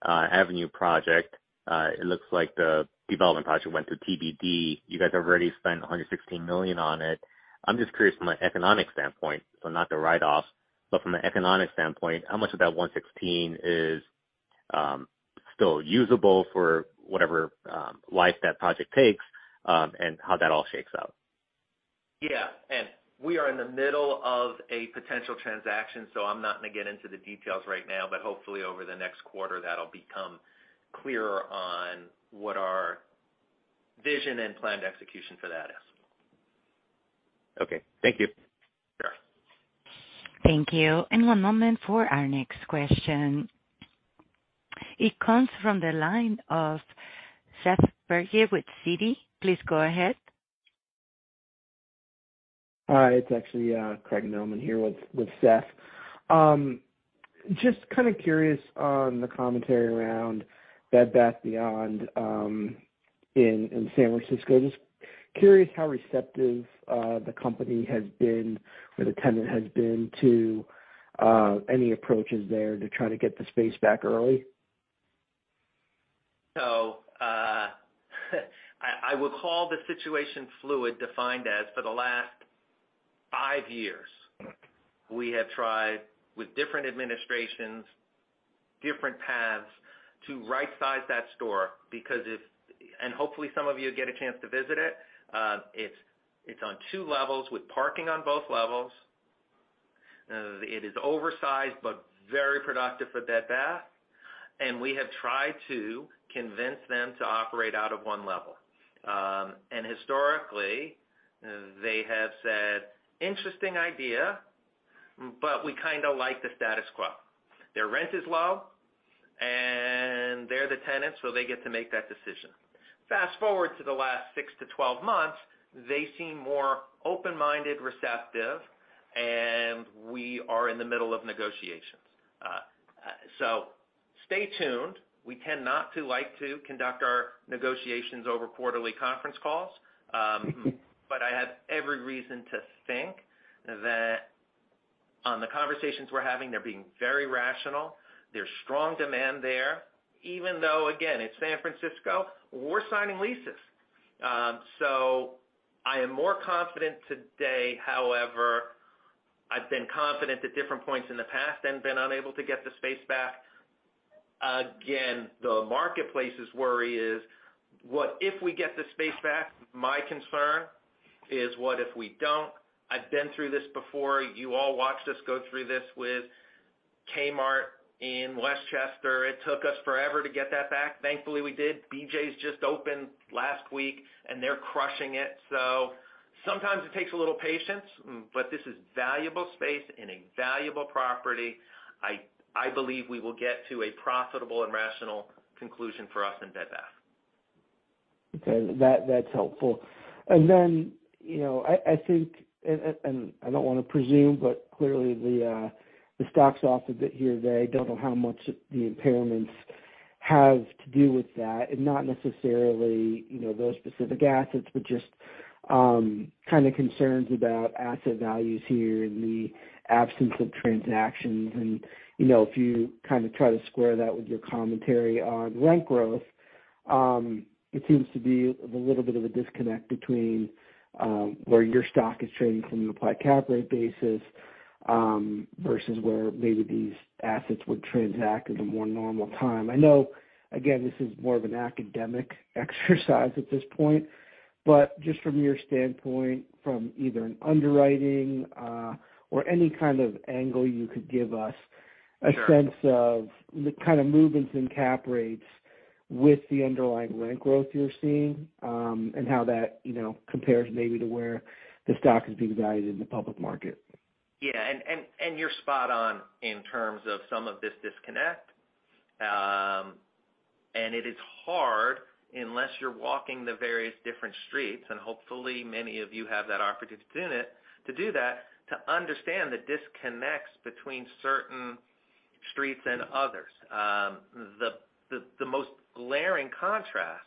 Speaker 7: Avenue project, it looks like the development project went to TBD. You guys have already spent $116 million on it. I'm just curious from an economic standpoint, so not the write-off, but from an economic standpoint, how much of that 116 is still usable for whatever life that project takes, and how that all shakes out?
Speaker 3: Yeah. We are in the middle of a potential transaction, so I'm not gonna get into the details right now, but hopefully over the next quarter that'll become clearer on what our vision and planned execution for that is.
Speaker 7: Okay, thank you.
Speaker 3: Sure.
Speaker 1: Thank you. One moment for our next question. It comes from the line of Seth Bergey with Citi. Please go ahead.
Speaker 8: Hi, it's actually Craig Mailman here with Seth. Just kind of curious on the commentary around Bed Bath & Beyond in San Francisco. Just curious how receptive the company has been or the tenant has been to any approaches there to try to get the space back early.
Speaker 3: I would call the situation fluid, defined as for the last five years, we have tried with different administrations, different paths to right size that store. Hopefully some of you get a chance to visit it. It's on two levels with parking on both levels. It is oversized but very productive for Bed Bath & Beyond, and we have tried to convince them to operate out of one level. Historically, they have said, "Interesting idea, but we kinda like the status quo." Their rent is low, and they're the tenants, so they get to make that decision. Fast-forward to the last six-12 months, they seem more open-minded, receptive, and we are in the middle of negotiations. Stay tuned. We tend not to like to conduct our negotiations over quarterly conference calls. I have every reason to think that on the conversations we're having, they're being very rational. There's strong demand there. Even though, again, it's San Francisco, we're signing leases. I am more confident today. However, I've been confident at different points in the past and been unable to get the space back. Again, the marketplace's worry is, what if we get the space back? My concern is, what if we don't? I've been through this before. You all watched us go through this with Kmart in Westchester. It took us forever to get that back. Thankfully, we did. BJ's just opened last week, and they're crushing it. Sometimes it takes a little patience, but this is valuable space and a valuable property. I believe we will get to a profitable and rational conclusion for us in Bed Bath.
Speaker 8: Okay. That's helpful. Then, you know, I think I don't wanna presume, but clearly the stock's off a bit here today. Don't know how much the impairments have to do with that, and not necessarily, you know, those specific assets, but just kind of concerns about asset values here in the absence of transactions. You know, if you kind of try to square that with your commentary on rent growth, it seems to be a little bit of a disconnect between where your stock is trading from an applied cap rate basis versus where maybe these assets would transact in a more normal time. I know, again, this is more of an academic exercise at this point, but just from your standpoint, from either an underwriting or any kind of angle you could give us a sense.
Speaker 3: Sure.
Speaker 8: Of the kind of movements in cap rates with the underlying rent growth you're seeing, and how that, you know, compares maybe to where the stock is being valued in the public market.
Speaker 3: Yeah. You're spot on in terms of some of this disconnect. It is hard unless you're walking the various different streets, and hopefully many of you have that opportunity to do that, to understand the disconnects between certain streets and others. The most glaring contrast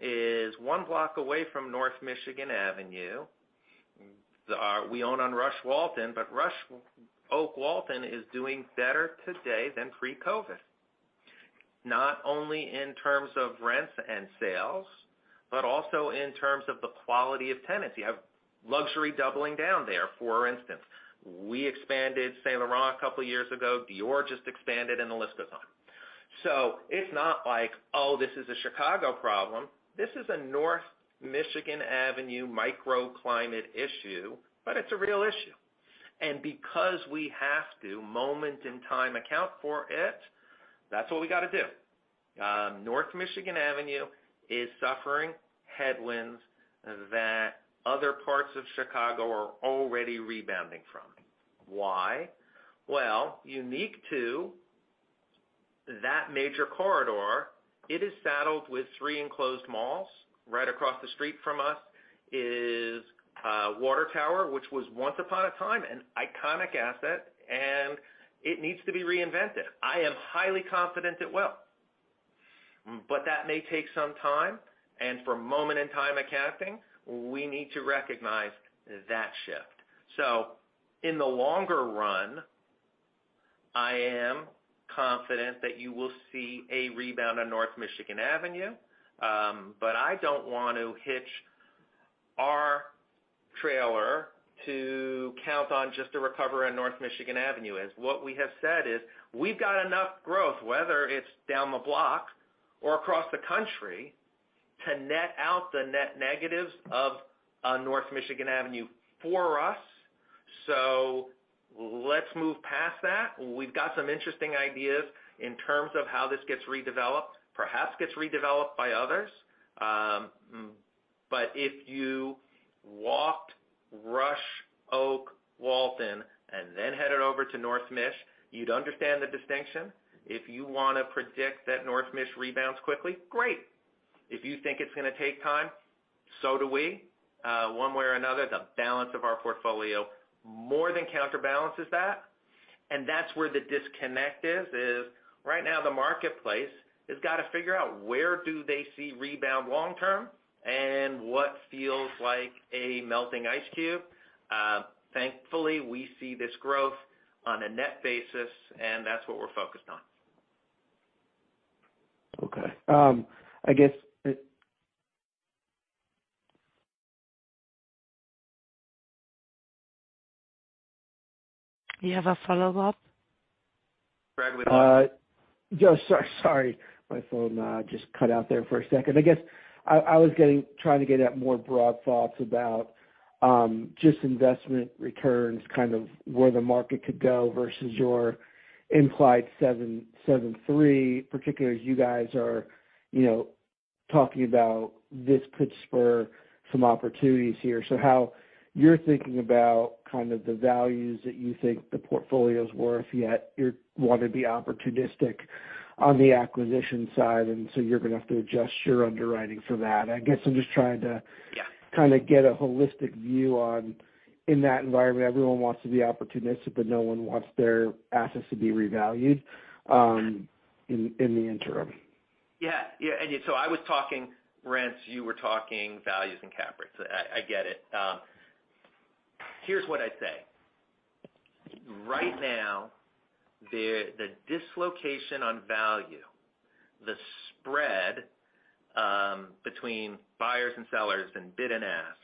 Speaker 3: is one block away from North Michigan Avenue. We own on Rush & Walton, but Oak and Walton is doing better today than pre-COVID, not only in terms of rents and sales, but also in terms of the quality of tenants. You have luxury doubling down there, for instance. We expanded Saint Laurent a couple years ago. Dior just expanded, and the list goes on. It's not like, oh, this is a Chicago problem. This is a North Michigan Avenue microclimate issue, but it's a real issue. Because we have to, moment in time, account for it, that's what we gotta do. North Michigan Avenue is suffering headwinds that other parts of Chicago are already rebounding from. Why? Well, unique to that major corridor, it is saddled with three enclosed malls. Right across the street from us is Water Tower, which was once upon a time an iconic asset, and it needs to be reinvented. I am highly confident it will. But that may take some time, and for moment in time accounting, we need to recognize that shift. In the longer run, I am confident that you will see a rebound on North Michigan Avenue. But I don't want to hitch our wagon to count on just a recovery on North Michigan Avenue. As what we have said is we've got enough growth, whether it's down the block or across the country, to net out the net negatives of North Michigan Avenue for us. Let's move past that. We've got some interesting ideas in terms of how this gets redeveloped. Perhaps gets redeveloped by others. If you walked Rush, Oak, Walton, and then headed over to North Mich, you'd understand the distinction. If you wanna predict that North Mich rebounds quickly, great. If you think it's gonna take time, so do we. One way or another, the balance of our portfolio more than counterbalances that, and that's where the disconnect is right now the marketplace has gotta figure out where do they see rebound long term and what feels like a melting ice cube. Thankfully, we see this growth on a net basis, and that's what we're focused on.
Speaker 8: Okay.
Speaker 1: You have a follow-up?
Speaker 3: Bradley.
Speaker 8: Sorry, my phone just cut out there for a second. I guess I was trying to get at more broad thoughts about just investment returns, kind of where the market could go versus your implied 7.73, particularly as you guys are, you know, talking about this could spur some opportunities here. How you're thinking about kind of the values that you think the portfolio's worth, yet you wanna be opportunistic on the acquisition side, and so you're gonna have to adjust your underwriting for that. I guess I'm just trying to
Speaker 3: Yeah.
Speaker 8: Kinda get a holistic view on in that environment, everyone wants to be opportunistic, but no one wants their assets to be revalued in the interim.
Speaker 3: Yeah. Yeah, I was talking rents, you were talking values and cap rates. I get it. Here's what I'd say. Right now, the dislocation on value, the spread, between buyers and sellers and bid and ask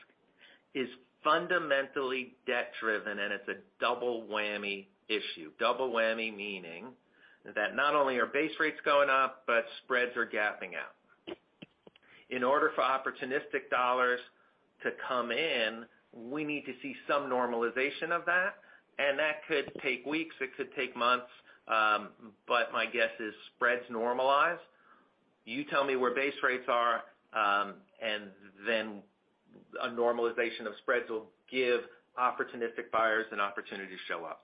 Speaker 3: is fundamentally debt-driven, and it's a double whammy issue. Double whammy meaning that not only are base rates going up, but spreads are gapping out. In order for opportunistic dollars to come in, we need to see some normalization of that, and that could take weeks, it could take months, but my guess is spreads normalize. You tell me where base rates are, and then a normalization of spreads will give opportunistic buyers an opportunity to show up.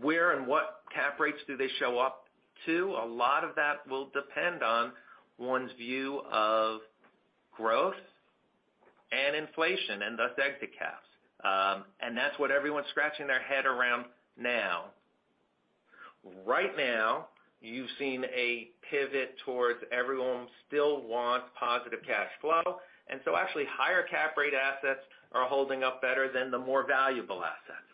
Speaker 3: Where and what cap rates do they show up to? A lot of that will depend on one's view of growth and inflation, and thus, EBITDA caps. That's what everyone's scratching their head around now. Right now, you've seen a pivot towards everyone still wants positive cash flow, and so actually, higher cap rate assets are holding up better than the more valuable assets.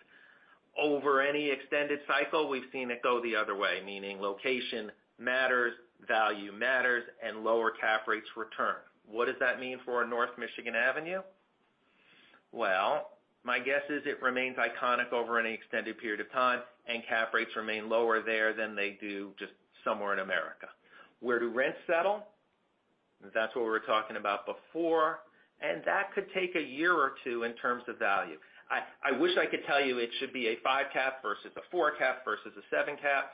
Speaker 3: Over any extended cycle, we've seen it go the other way, meaning location matters, value matters, and lower cap rates return. What does that mean for our North Michigan Avenue? Well, my guess is it remains iconic over any extended period of time, and cap rates remain lower there than they do just somewhere in America. Where do rents settle? That's what we were talking about before, and that could take a year or two in terms of value. I wish I could tell you it should be a 5 cap versus a 4 cap versus a seven cap.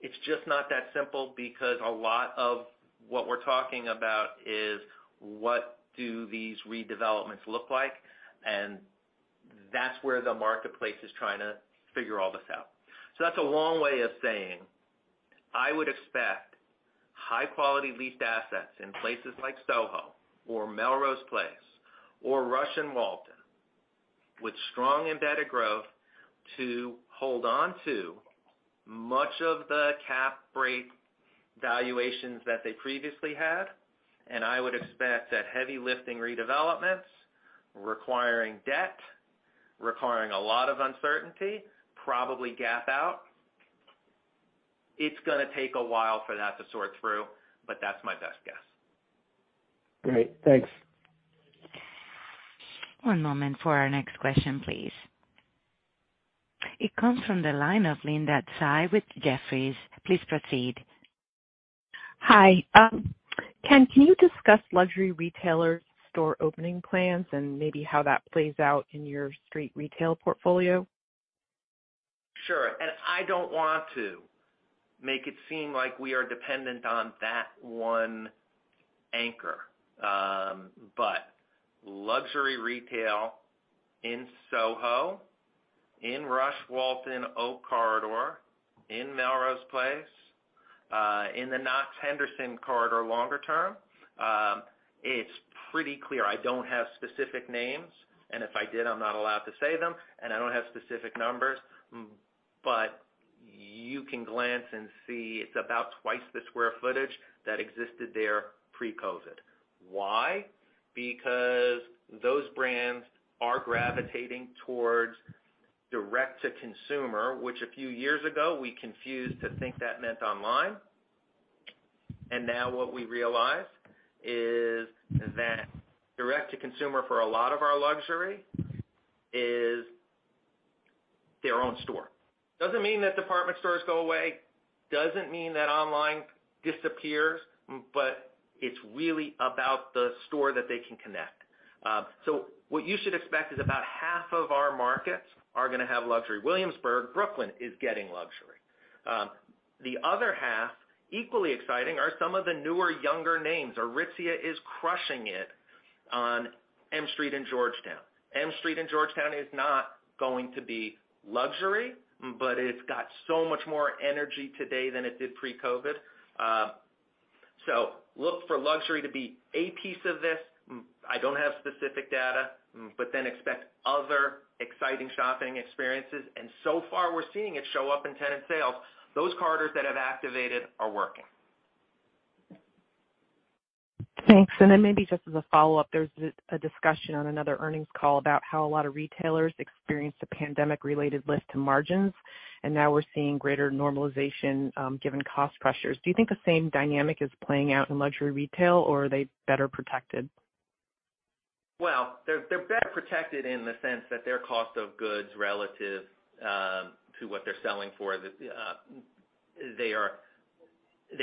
Speaker 3: It's just not that simple because a lot of what we're talking about is what do these redevelopments look like, and that's where the marketplace is trying to figure all this out. That's a long way of saying, I would expect high-quality leased assets in places like SoHo or Melrose Place or Rush & Walton, with strong embedded growth, to hold on to much of the cap rate valuations that they previously had. I would expect that heavy lifting redevelopments requiring debt, requiring a lot of uncertainty, probably gap out. It's gonna take a while for that to sort through, but that's my best guess.
Speaker 8: Great. Thanks.
Speaker 1: One moment for our next question, please. It comes from the line of Linda Tsai with Jefferies. Please proceed.
Speaker 9: Hi. Ken, can you discuss luxury retailers' store opening plans and maybe how that plays out in your street retail portfolio?
Speaker 3: Sure. I don't want to make it seem like we are dependent on that one anchor. Luxury retail in SoHo, in Rush & Walton, Oak Corridor, in Melrose Place, in the Knox Henderson Corridor longer term. Pretty clear. I don't have specific names, and if I did, I'm not allowed to say them, and I don't have specific numbers. You can glance and see it's about twice the square footage that existed there pre-COVID. Why? Because those brands are gravitating towards direct-to-consumer, which a few years ago we confused to think that meant online. Now what we realize is that direct-to-consumer for a lot of our luxury is their own store. Doesn't mean that department stores go away, doesn't mean that online disappears, but it's really about the store that they can connect. What you should expect is about half of our markets are gonna have luxury. Williamsburg, Brooklyn is getting luxury. The other half, equally exciting, are some of the newer, younger names. Aritzia is crushing it on M Street in Georgetown. M Street in Georgetown is not going to be luxury, but it's got so much more energy today than it did pre-COVID. Look for luxury to be a piece of this. I don't have specific data, but then expect other exciting shopping experiences. So far we're seeing it show up in tenant sales. Those corridors that have activated are working.
Speaker 9: Thanks. Maybe just as a follow-up, there's a discussion on another earnings call about how a lot of retailers experienced the pandemic-related lift to margins, and now we're seeing greater normalization, given cost pressures. Do you think the same dynamic is playing out in luxury retail, or are they better protected?
Speaker 3: They're better protected in the sense that their cost of goods relative to what they're selling for, they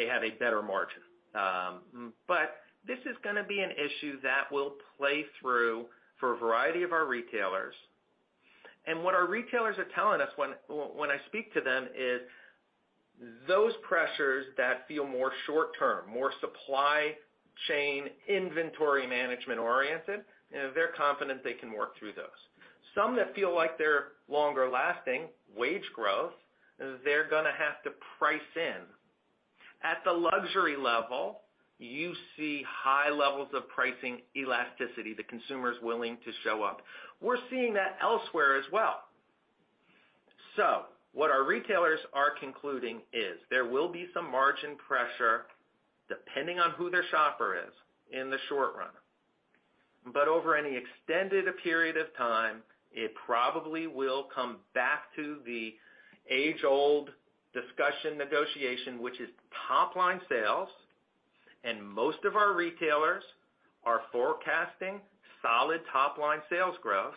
Speaker 3: have a better margin. This is gonna be an issue that will play through for a variety of our retailers. What our retailers are telling us when I speak to them is those pressures that feel more short term, more supply chain, inventory management-oriented, they're confident they can work through those. Some that feel like they're longer lasting, wage growth, they're gonna have to price in. At the luxury level, you see high levels of pricing elasticity. The consumer's willing to show up. We're seeing that elsewhere as well. What our retailers are concluding is there will be some margin pressure depending on who their shopper is in the short run. Over any extended a period of time, it probably will come back to the age-old discussion negotiation, which is top line sales. Most of our retailers are forecasting solid top line sales growth.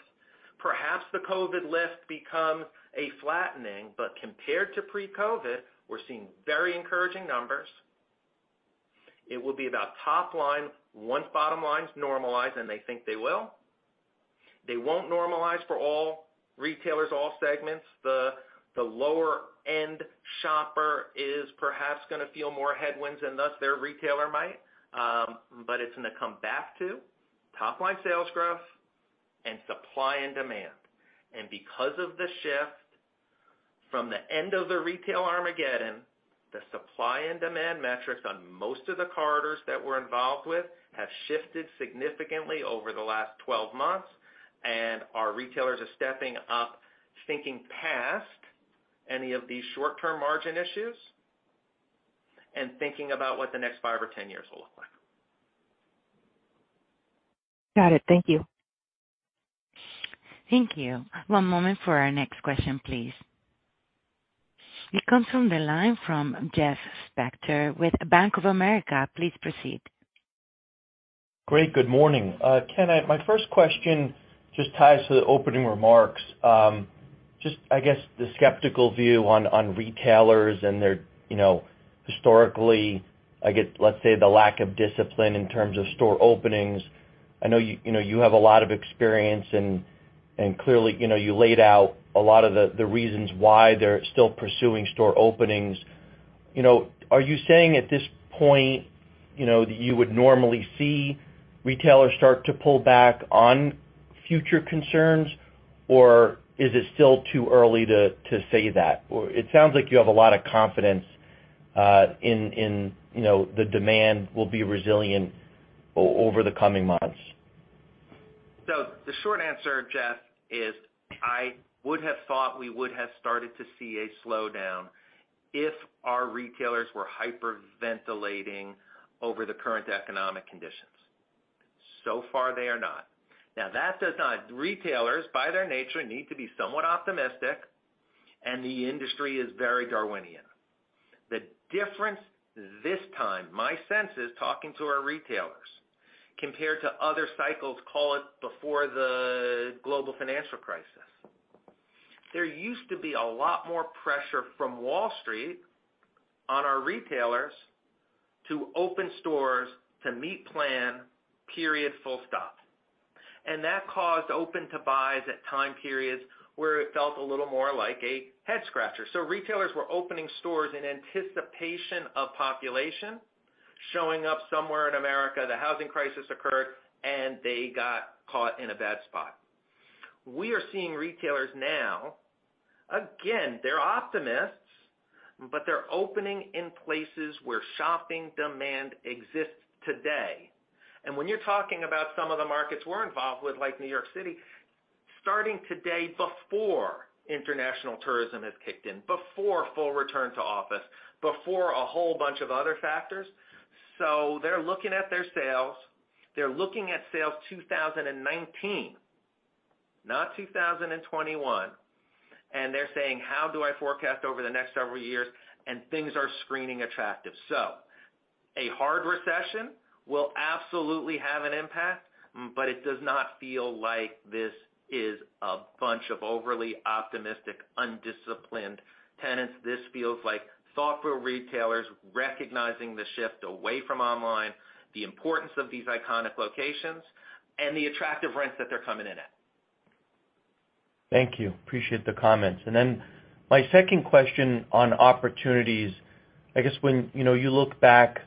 Speaker 3: Perhaps the COVID lift becomes a flattening. Compared to pre-COVID, we're seeing very encouraging numbers. It will be about top line once bottom line's normalized, and they think they will. They won't normalize for all retailers, all segments. The lower end shopper is perhaps gonna feel more headwinds and thus their retailer might. It's gonna come back to top line sales growth and supply and demand. Because of the shift from the end of the retail Armageddon, the supply and demand metrics on most of the corridors that we're involved with have shifted significantly over the last 12 months. Our retailers are stepping up, thinking past any of these short-term margin issues and thinking about what the next five or ten years will look like.
Speaker 9: Got it. Thank you.
Speaker 1: Thank you. One moment for our next question, please. It comes from the line from Jeff Spector with Bank of America. Please proceed.
Speaker 10: Great. Good morning. Ken, my first question just ties to the opening remarks. Just I guess the skeptical view on retailers and their, you know, historically, I get, let's say, the lack of discipline in terms of store openings. I know you know, you have a lot of experience and clearly, you know, you laid out a lot of the reasons why they're still pursuing store openings. You know, are you saying at this point, you know, that you would normally see retailers start to pull back on future concerns, or is it still too early to say that? Or it sounds like you have a lot of confidence in you know, the demand will be resilient over the coming months.
Speaker 3: The short answer, Jeff, is I would have thought we would have started to see a slowdown if our retailers were hyperventilating over the current economic conditions. So far they are not. Retailers, by their nature, need to be somewhat optimistic, and the industry is very Darwinian. The difference this time, my sense is talking to our retailers compared to other cycles, call it before the global financial crisis. There used to be a lot more pressure from Wall Street on our retailers to open stores to meet plan, period, full stop. That caused open to buys at time periods where it felt a little more like a head scratcher. Retailers were opening stores in anticipation of population showing up somewhere in America, the housing crisis occurred, and they got caught in a bad spot. We are seeing retailers now, again, they're optimists, but they're opening in places where shopping demand exists today. When you're talking about some of the markets we're involved with, like New York City, starting today before international tourism has kicked in, before full return to office, before a whole bunch of other factors. They're looking at their sales, they're looking at sales 2019, not 2021, and they're saying, "How do I forecast over the next several years?" Things are screening attractive. A hard recession will absolutely have an impact, but it does not feel like this is a bunch of overly optimistic, undisciplined tenants. This feels like thoughtful retailers recognizing the shift away from online, the importance of these iconic locations, and the attractive rents that they're coming in at.
Speaker 10: Thank you. Appreciate the comments. My second question on opportunities. I guess when, you know, you look back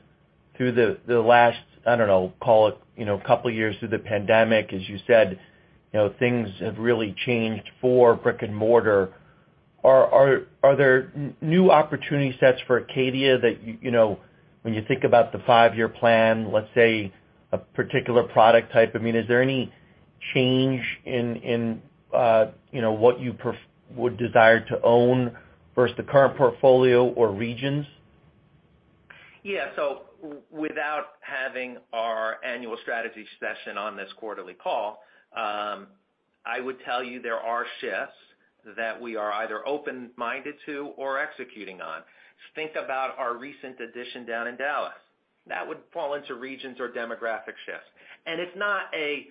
Speaker 10: through the last, I don't know, call it, you know, couple of years through the pandemic, as you said, you know, things have really changed for brick-and-mortar. Are there new opportunity sets for Acadia that you know, when you think about the five-year plan, let's say, a particular product type, I mean, is there any change in, you know, what you would desire to own versus the current portfolio or regions?
Speaker 3: Yeah. Without having our annual strategy session on this quarterly call, I would tell you there are shifts that we are either open-minded to or executing on. Think about our recent addition down in Dallas. That would fall into regions or demographic shifts. It's not an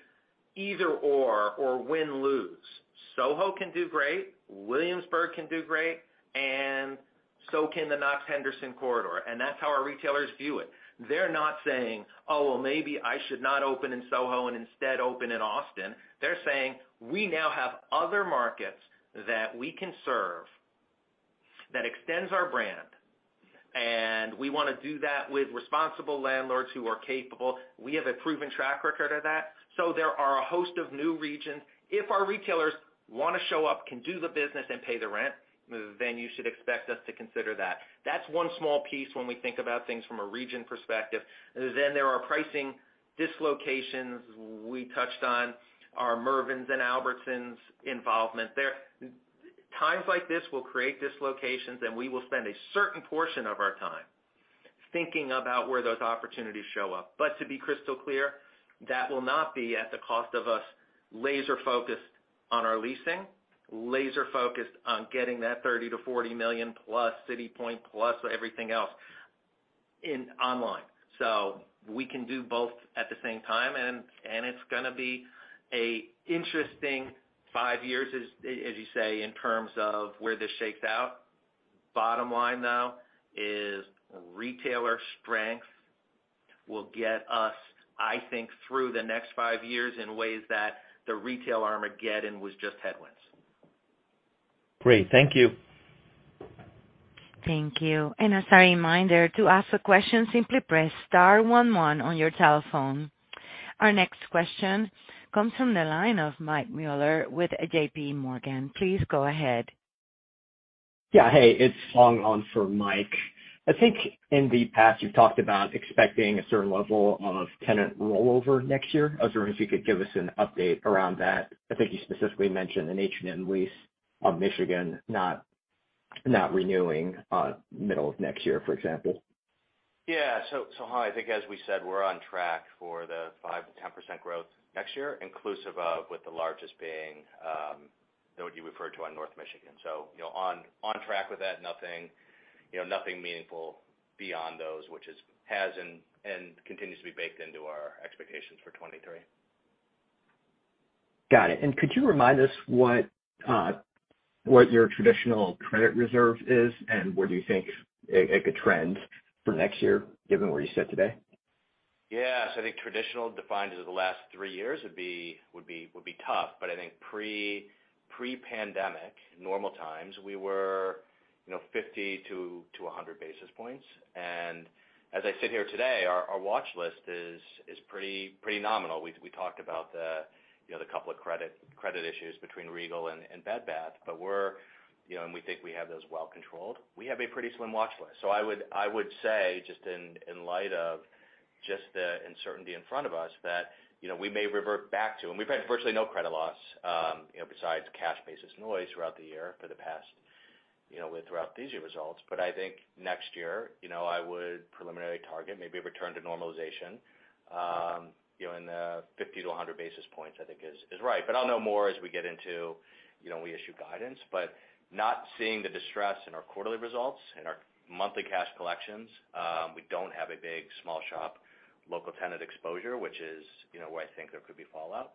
Speaker 3: either/or or win/lose. SoHo can do great, Williamsburg can do great, and so can the Knox Henderson Corridor, and that's how our retailers view it. They're not saying, "Oh, well, maybe I should not open in SoHo and instead open in Austin." They're saying, "We now have other markets that we can serve that extends our brand, and we wanna do that with responsible landlords who are capable. We have a proven track record of that." There are a host of new regions. If our retailers wanna show up, can do the business, and pay the rent, then you should expect us to consider that. That's one small piece when we think about things from a region perspective. There are pricing dislocations. We touched on our Mervyn's and Albertsons involvement there. Times like this will create dislocations, and we will spend a certain portion of our time thinking about where those opportunities show up. But to be crystal clear, that will not be at the cost of us laser-focused on our leasing, laser-focused on getting that $30 million-$40 million+ City Point plus everything else in online. We can do both at the same time, and it's gonna be an interesting five years, as you say, in terms of where this shakes out. Bottom line, though, is retailer strength will get us, I think, through the next five years in ways that the retail Armageddon was just headwinds.
Speaker 10: Great. Thank you.
Speaker 1: Thank you. As a reminder, to ask a question, simply press star one one on your telephone. Our next question comes from the line of Mike Mueller with J.P. Morgan. Please go ahead.
Speaker 11: Yeah. Hey, it's Hong on for Mike. I think in the past, you've talked about expecting a certain level of tenant rollover next year. I was wondering if you could give us an update around that. I think you specifically mentioned an H&M lease on Michigan not renewing, middle of next year, for example.
Speaker 4: Hong, I think as we said, we're on track for the 5%-10% growth next year, inclusive of with the largest being what you referred to on North Michigan. You know, on track with that, nothing, you know, nothing meaningful beyond those, which has and continues to be baked into our expectations for 2023.
Speaker 11: Got it. Could you remind us what your traditional credit reserve is, and where do you think it could trend for next year, given where you sit today?
Speaker 4: Yeah. I think traditional defined as the last three years would be tough. I think pre-pandemic, normal times, we were, you know, 50-100 basis points. As I sit here today, our watch list is pretty nominal. We talked about the, you know, the couple of credit issues between Regal and Bed Bath. We're, you know, and we think we have those well controlled. We have a pretty slim watch list. I would say, just in light of just the uncertainty in front of us, that, you know, we may revert back to. We've had virtually no credit loss, you know, besides cash basis noise throughout the year for the past, you know, throughout these results. I think next year, you know, I would preliminarily target maybe a return to normalization, you know, in the 50-100 basis points, I think is right. I'll know more as we get into, you know, we issue guidance. Not seeing the distress in our quarterly results, in our monthly cash collections, we don't have a big small shop local tenant exposure, which is, you know, where I think there could be fallout.